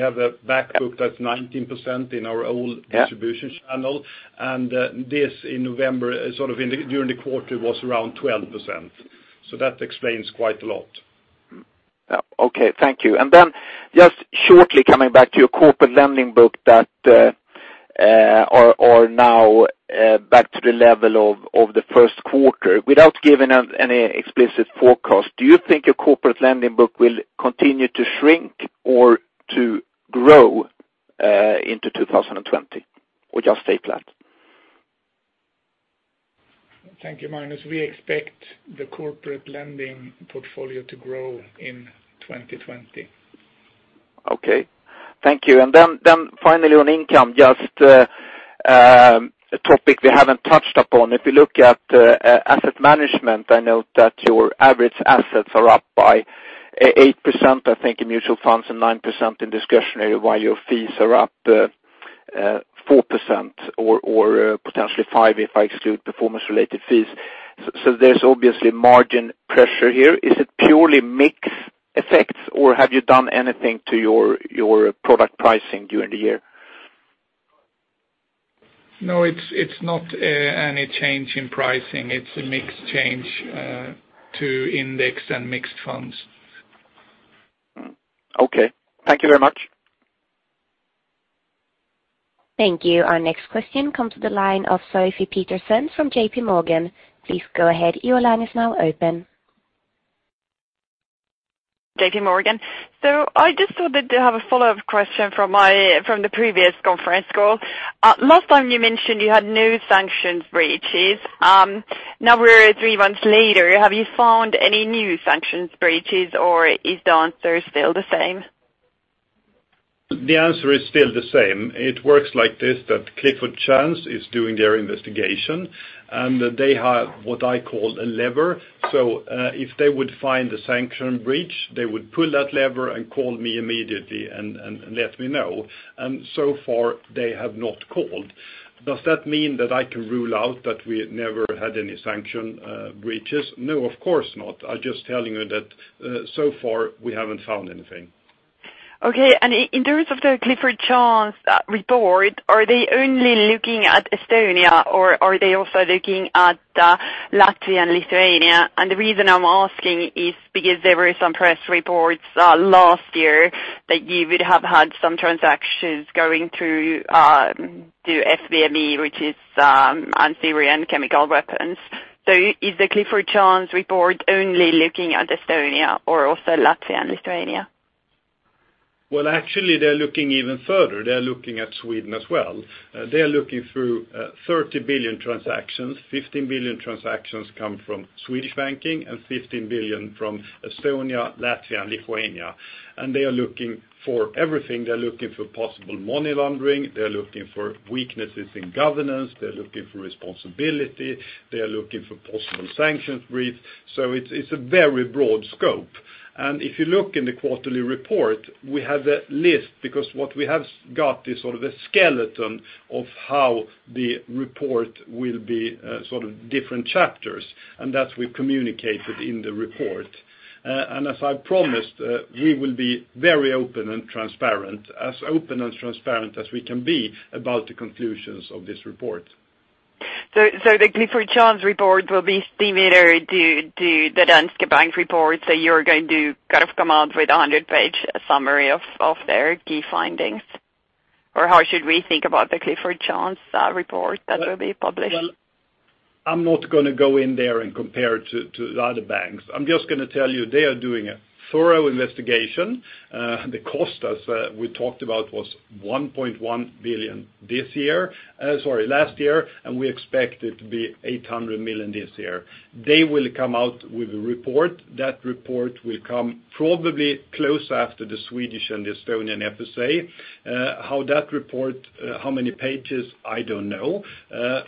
have a back book that's 19% in our old. Yeah. Distribution channel. This in November, during the quarter, was around 12%. That explains quite a lot. Yeah. Okay, thank you. Just shortly coming back to your corporate lending book that are now back to the level of the first quarter. Without giving out any explicit forecast, do you think your corporate lending book will continue to shrink or to grow into 2020? Or just stay flat? Thank you, Magnus. We expect the corporate lending portfolio to grow in 2020. Okay, thank you. Then finally on income, just a topic we haven't touched upon. If you look at asset management, I know that your average assets are up by 8%, I think, in mutual funds and 9% in discretionary while your fees are up 4% or potentially 5% if I exclude performance-related fees. There's obviously margin pressure here. Is it purely mix effects, or have you done anything to your product pricing during the year? No, it's not any change in pricing. It's a mix change to index and mixed funds. Okay. Thank you very much. Thank you. Our next question comes to the line of Sophie Peterzens from JPMorgan. Please go ahead. Your line is now open. JPMorgan. I just thought I'd have a follow-up question from the previous conference call. Last time you mentioned you had no sanctions breaches. Now we're three months later, have you found any new sanctions breaches or is the answer still the same? The answer is still the same. It works like this, that Clifford Chance is doing their investigation. They have what I call a lever. If they would find a sanction breach, they would pull that lever and call me immediately and let me know. So far they have not called. Does that mean that I can rule out that we never had any sanction breaches? No, of course not. I'm just telling you that so far we haven't found anything. Okay, in terms of the Clifford Chance report, are they only looking at Estonia or are they also looking at Latvia and Lithuania? The reason I'm asking is because there were some press reports last year that you would have had some transactions going through SVME, which is on Syrian chemical weapons. Is the Clifford Chance report only looking at Estonia or also Latvia and Lithuania? Well, actually, they're looking even further. They're looking at Sweden as well. They're looking through 30 billion transactions. 15 billion transactions come from Swedish Banking and 15 billion from Estonia, Latvia, and Lithuania. They are looking for everything. They're looking for possible money laundering. They're looking for weaknesses in governance. They're looking for responsibility. They are looking for possible sanctions breach. It's a very broad scope. If you look in the quarterly report, we have a list, because what we have got is sort of a skeleton of how the report will be different chapters, and that we've communicated in the report. As I promised, we will be very open and transparent, as open and transparent as we can be about the conclusions of this report. The Clifford Chance report will be similar to the Danske Bank report. You're going to come out with a 100-page summary of their key findings? Or how should we think about the Clifford Chance report that will be published? I'm not going to go in there and compare to the other banks. I'm just going to tell you they are doing a thorough investigation. The cost, as we talked about, was 1.1 billion last year, and we expect it to be 800 million this year. They will come out with a report. That report will come probably close after the Swedish and the Estonian FSA. How that report, how many pages, I don't know.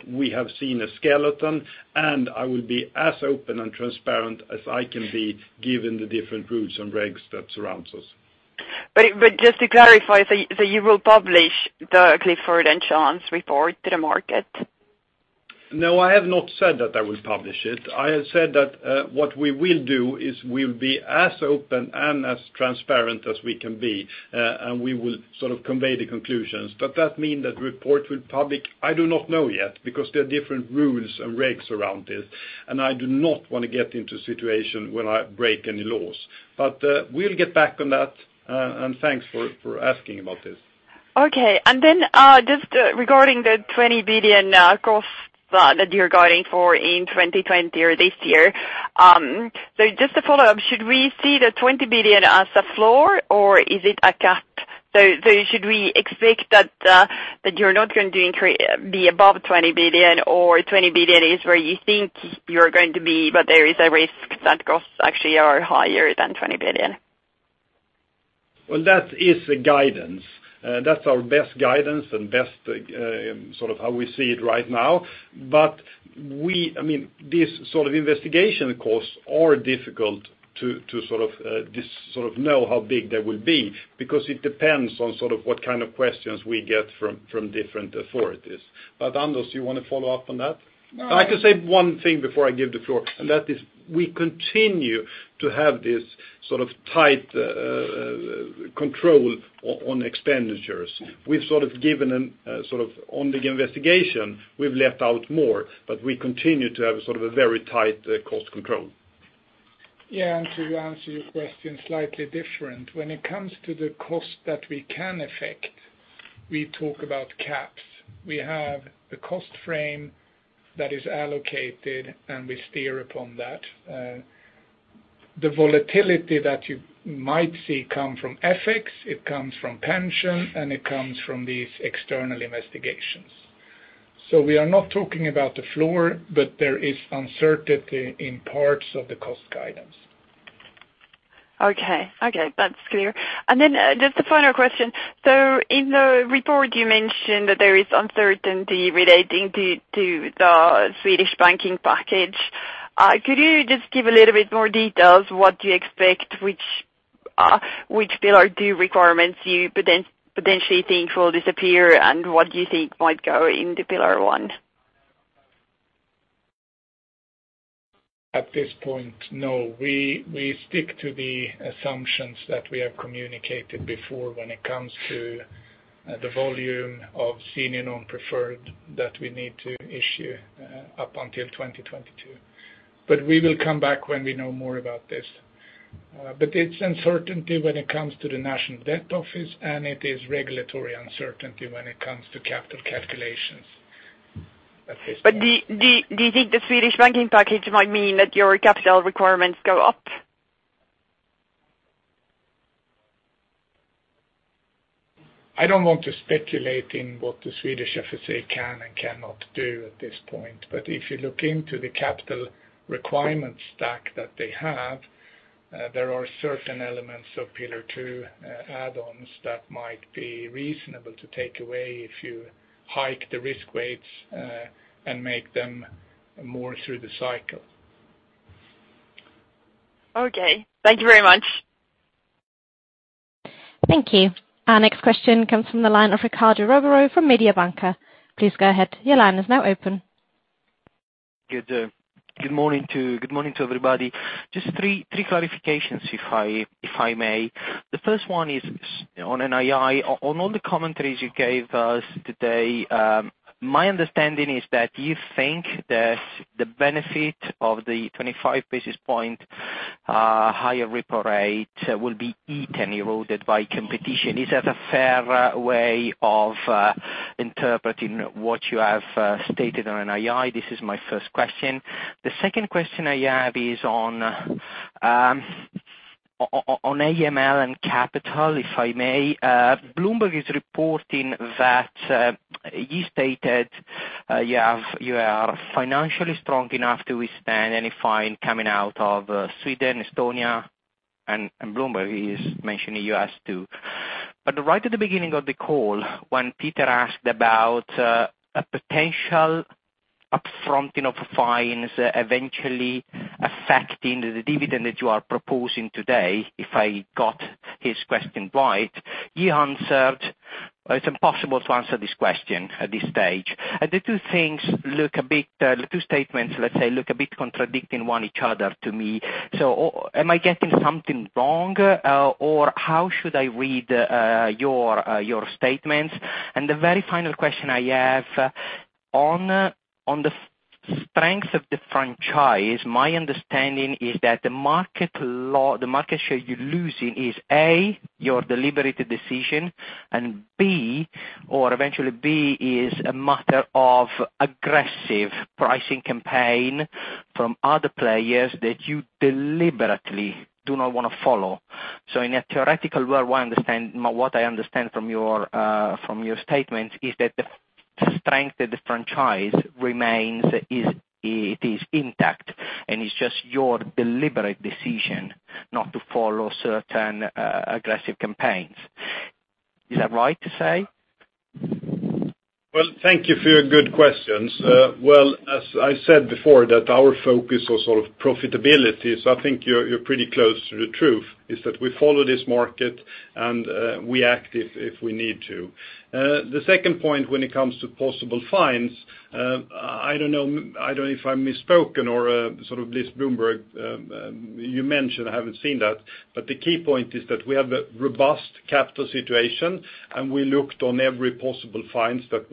We have seen a skeleton, and I will be as open and transparent as I can be given the different rules and regulations that surrounds us. Just to clarify, you will publish the Clifford Chance report to the market? No, I have not said that I will publish it. I have said that what we will do is we'll be as open and as transparent as we can be, and we will convey the conclusions. That mean that report will public, I do not know yet because there are different rules and regulations around this, and I do not want to get into a situation where I break any laws. We'll get back on that, and thanks for asking about this. Okay. Just regarding the 20 billion costs that you're guiding for in 2020 or this year. Just to follow up, should we see the 20 billion as a floor or is it a cap? Should we expect that you're not going to be above 20 billion or 20 billion is where you think you're going to be, but there is a risk that costs actually are higher than 20 billion? Well, that is the guidance. That's our best guidance and how we see it right now. These sort of investigation costs are difficult to know how big they will be because it depends on what kind of questions we get from different authorities. Anders, you want to follow up on that? No. I can say one thing before I give the floor, and that is we continue to have this tight control on expenditures. We've given on the investigation, we've left out more, but we continue to have a very tight cost control. Yeah. To answer your question slightly different, when it comes to the cost that we can affect, we talk about caps. We have the cost frame that is allocated, and we steer upon that. The volatility that you might see come from FX, it comes from pension, and it comes from these external investigations. We are not talking about the floor, but there is uncertainty in parts of the cost guidance. Okay. That's clear. Just the final question. In the report you mentioned that there is uncertainty relating to the Swedish banking package. Could you just give a little bit more details what you expect, which Pillar 2 requirements you potentially think will disappear, and what do you think might go into Pillar 1? At this point, no. We stick to the assumptions that we have communicated before when it comes to the volume of senior non-preferred that we need to issue up until 2022. We will come back when we know more about this. It's uncertainty when it comes to the National Debt Office, and it is regulatory uncertainty when it comes to capital calculations at this point. Do you think the Swedish banking package might mean that your capital requirements go up? I don't want to speculate in what the Swedish FSA can and cannot do at this point. If you look into the capital requirement stack that they have, there are certain elements of Pillar 2 add-ons that might be reasonable to take away if you hike the risk weights, and make them more through the cycle. Okay. Thank you very much. Thank you. Our next question comes from the line of Riccardo Rovere from Mediobanca. Please go ahead. Your line is now open. Good morning to everybody. Just three clarifications if I may. The first one is on NII. On all the commentaries you gave us today, my understanding is that you think that the benefit of the 25 basis point higher repo rate will be eaten, eroded by competition. Is that a fair way of interpreting what you have stated on NII? This is my first question. The second question I have is on AML and capital, if I may. Bloomberg is reporting that you stated you are financially strong enough to withstand any fine coming out of Sweden, Estonia, and Bloomberg is mentioning U.S. too. Right at the beginning of the call, when Peter asked about a potential upfront of fines eventually affecting the dividend that you are proposing today, if I got his question right, you answered, it's impossible to answer this question at this stage. The two statements, let's say, look a bit contradicting one each other to me. Am I getting something wrong or how should I read your statements? The very final question I have. On the strength of the franchise, my understanding is that the market share you're losing is, A, your deliberative decision, and B, or eventually B is a matter of aggressive pricing campaign from other players that you deliberately do not want to follow. In a theoretical world, what I understand from your statements is that the strength of the franchise remains it is intact, and it's just your deliberate decision not to follow certain aggressive campaigns. Is that right to say? Well, thank you for your good questions. Well, as I said before, that our focus was on profitability. I think you're pretty close to the truth, is that we follow this market, and we act if we need to. The second point when it comes to possible fines, I don't know if I'm misspoken or sort of this Bloomberg, you mentioned, I haven't seen that. The key point is that we have a robust capital situation, and we looked on every possible fines that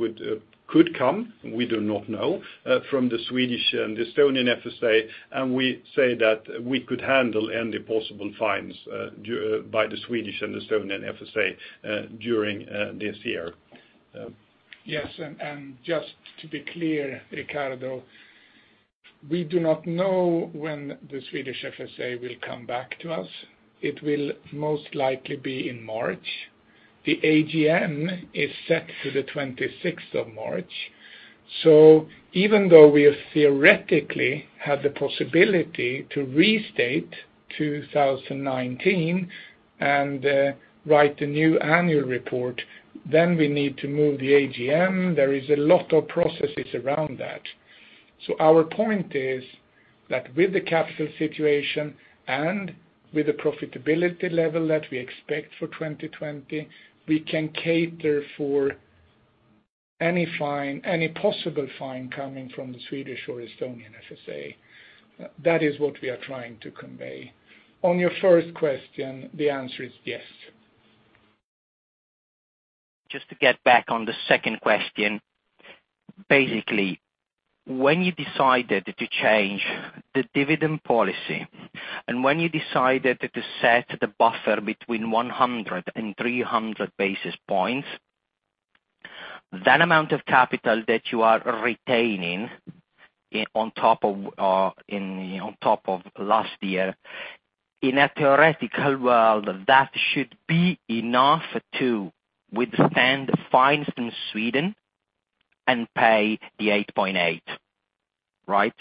could come, we do not know, from the Swedish and Estonian FSA, and we say that we could handle any possible fines by the Swedish and the Estonian FSA during this year. Yes. Just to be clear, Riccardo, we do not know when the Swedish FSA will come back to us. It will most likely be in March. The AGM is set for the 26th of March. Even though we theoretically have the possibility to restate 2019 and write a new annual report, then we need to move the AGM. There is a lot of processes around that. Our point is that with the capital situation and with the profitability level that we expect for 2020, we can cater for any possible fine coming from the Swedish or Estonian FSA. That is what we are trying to convey. On your first question, the answer is yes. Just to get back on the second question. Basically, when you decided to change the dividend policy, and when you decided to set the buffer between 100 basis points and 300 basis points, that amount of capital that you are retaining on top of last year, in a theoretical world, that should be enough to withstand fines from Sweden and pay the 8.80, right?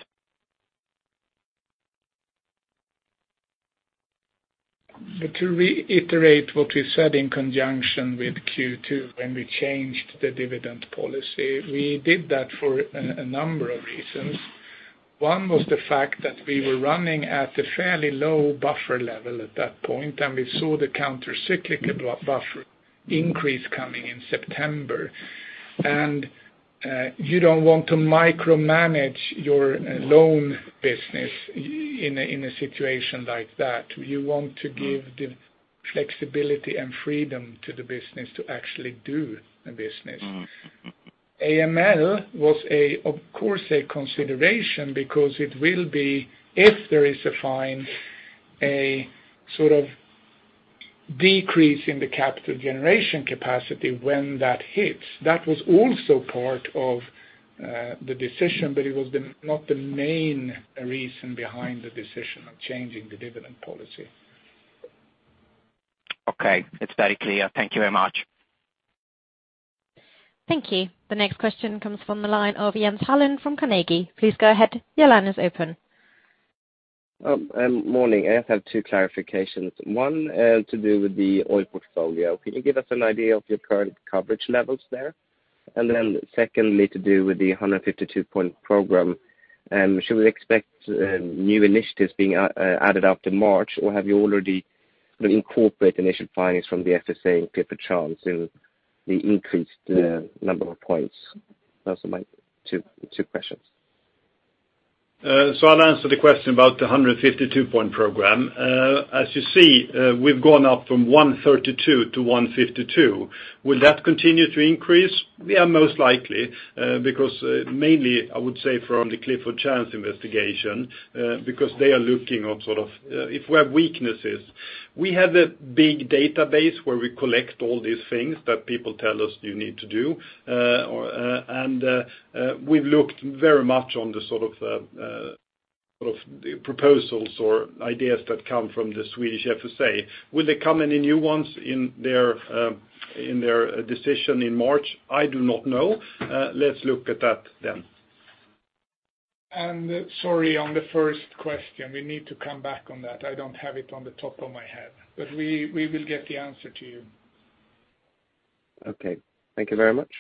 To reiterate what we said in conjunction with Q2 when we changed the dividend policy, we did that for a number of reasons. One was the fact that we were running at a fairly low buffer level at that point, and we saw the countercyclical buffer increase coming in September. You don't want to micromanage your loan business in a situation like that. You want to give flexibility and freedom to the business to actually do the business. AML was of course a consideration because it will be, if there is a fine, a sort of decrease in the capital generation capacity when that hits. That was also part of the decision, it was not the main reason behind the decision of changing the dividend policy. Okay. It's very clear. Thank you very much. Thank you. The next question comes from the line of Jens Hallén from Carnegie. Please go ahead. Your line is open. Morning. I just have two clarifications. One, to do with the oil portfolio. Can you give us an idea of your current coverage levels there? Secondly, to do with the 152-point program. Should we expect new initiatives being added after March, have you already sort of incorporate initial findings from the FSA and Clifford Chance in the increased number of points? Those are my two questions. I'll answer the question about the 152-point program. As you see, we've gone up from 132-point-152-point. Will that continue to increase? Yeah, most likely, because mainly, I would say from the Clifford Chance investigation, because they are looking at sort of if we have weaknesses. We have a big database where we collect all these things that people tell us you need to do. We've looked very much on the sort of proposals or ideas that come from the Swedish FSA. Will they come any new ones in their decision in March? I do not know. Let's look at that then. Sorry, on the first question, we need to come back on that. I don't have it on the top of my head, but we will get the answer to you. Okay. Thank you very much.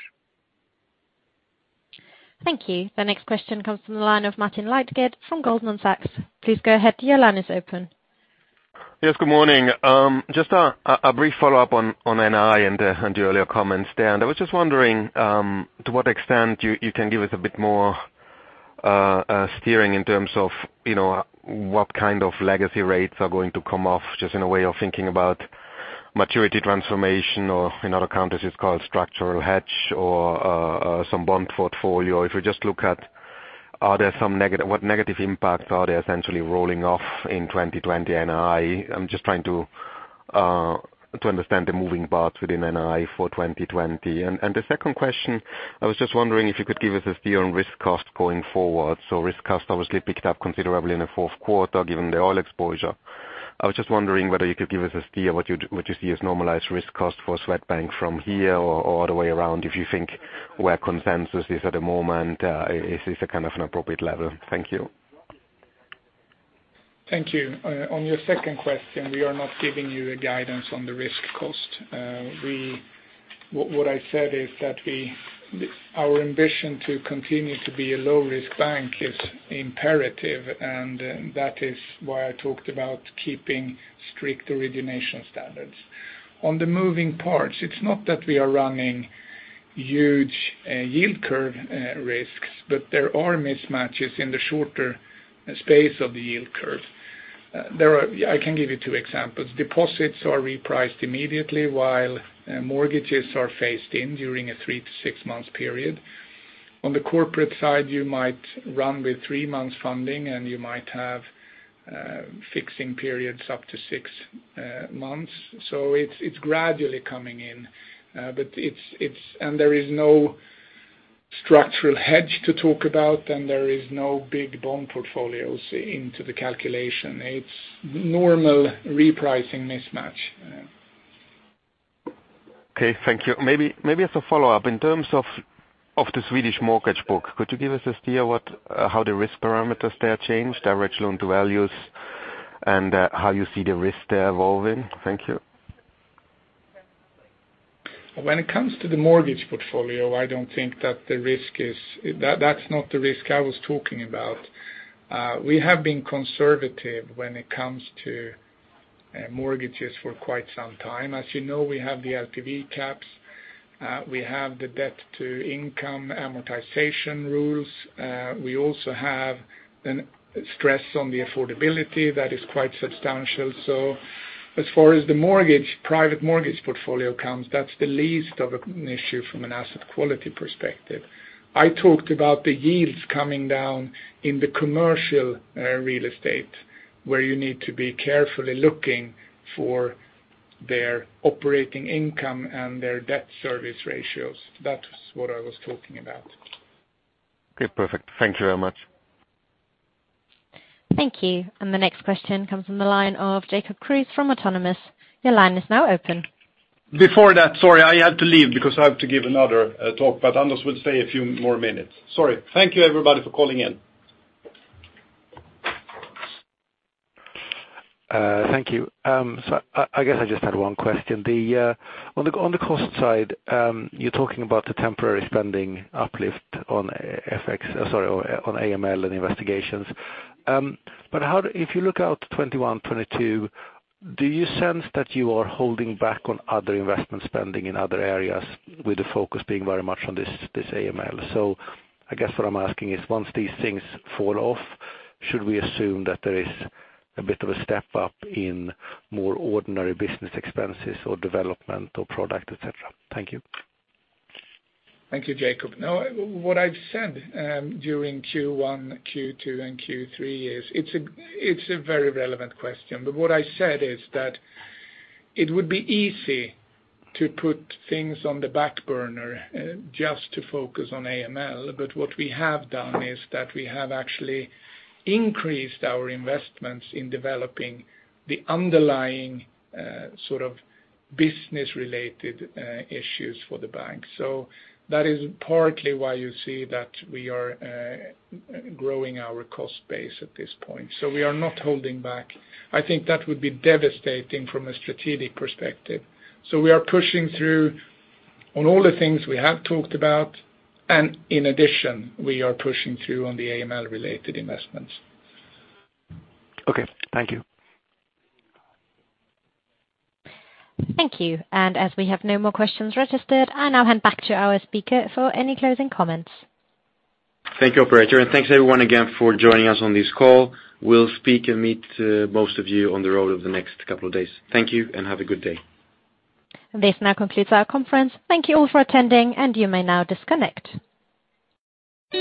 Thank you. The next question comes from the line of Martin Leitgeb from Goldman Sachs. Please go ahead. Your line is open. Yes, good morning. Just a brief follow-up on NII and the earlier comments there. I was just wondering to what extent you can give us a bit more steering in terms of what kind of legacy rates are going to come off, just in a way of thinking about maturity transformation or in other contexts it's called structural hedge or some bond portfolio. If we just look at what negative impacts are they essentially rolling off in 2020 NII? I am just trying to understand the moving parts within NII for 2020. The second question, I was just wondering if you could give us a steer on risk cost going forward. Risk cost obviously picked up considerably in the fourth quarter given the oil exposure. I was just wondering whether you could give us a steer on what you see as normalized risk cost for Swedbank from here or the other way around, if you think where consensus is at the moment, is this a kind of an appropriate level? Thank you. Thank you. On your second question, we are not giving you a guidance on the risk cost. What I said is that our ambition to continue to be a low-risk bank is imperative, and that is why I talked about keeping strict origination standards. On the moving parts, it's not that we are running huge yield curve risks, but there are mismatches in the shorter space of the yield curve. I can give you two examples. Deposits are repriced immediately while mortgages are phased in during a three to six month period. On the corporate side, you might run with three months funding and you might have fixing periods up to six months. It's gradually coming in. There is no structural hedge to talk about and there is no big bond portfolios into the calculation. It's normal repricing mismatch. Okay, thank you. Maybe as a follow-up, in terms of the Swedish mortgage book, could you give us a steer how the risk parameters there change, direct loan to values, and how you see the risk there evolving? Thank you. When it comes to the mortgage portfolio, that's not the risk I was talking about. We have been conservative when it comes to mortgages for quite some time. As you know, we have the LTV caps, we have the debt-to-income amortization rules, we also have stress on the affordability that is quite substantial. As far as the private mortgage portfolio comes, that's the least of an issue from an asset quality perspective. I talked about the yields coming down in the commercial real estate where you need to be carefully looking for their operating income and their debt service ratios. That's what I was talking about. Okay, perfect. Thank you very much. Thank you. The next question comes from the line of Jacob Kruse from Autonomous. Your line is now open. Before that, sorry, I have to leave because I have to give another talk. Anders will stay a few more minutes. Sorry. Thank you everybody for calling in. Thank you. I guess I just had one question. On the cost side, you're talking about the temporary spending uplift on AML and investigations. If you look out 2021, 2022, do you sense that you are holding back on other investment spending in other areas with the focus being very much on this AML? I guess what I'm asking is once these things fall off, should we assume that there is a bit of a step up in more ordinary business expenses or development or product, et cetera? Thank you. Thank you, Jacob. It's a very relevant question. What I said is that it would be easy to put things on the back burner just to focus on AML. What we have done is that we have actually increased our investments in developing the underlying business-related issues for the bank. That is partly why you see that we are growing our cost base at this point. We are not holding back. I think that would be devastating from a strategic perspective. We are pushing through on all the things we have talked about, and in addition, we are pushing through on the AML-related investments. Okay. Thank you. Thank you. As we have no more questions registered, I now hand back to our speaker for any closing comments. Thank you, Operator. Thanks everyone again for joining us on this call. We'll speak and meet most of you on the road over the next couple of days. Thank you and have a good day. This now concludes our conference. Thank you all for attending and you may now disconnect.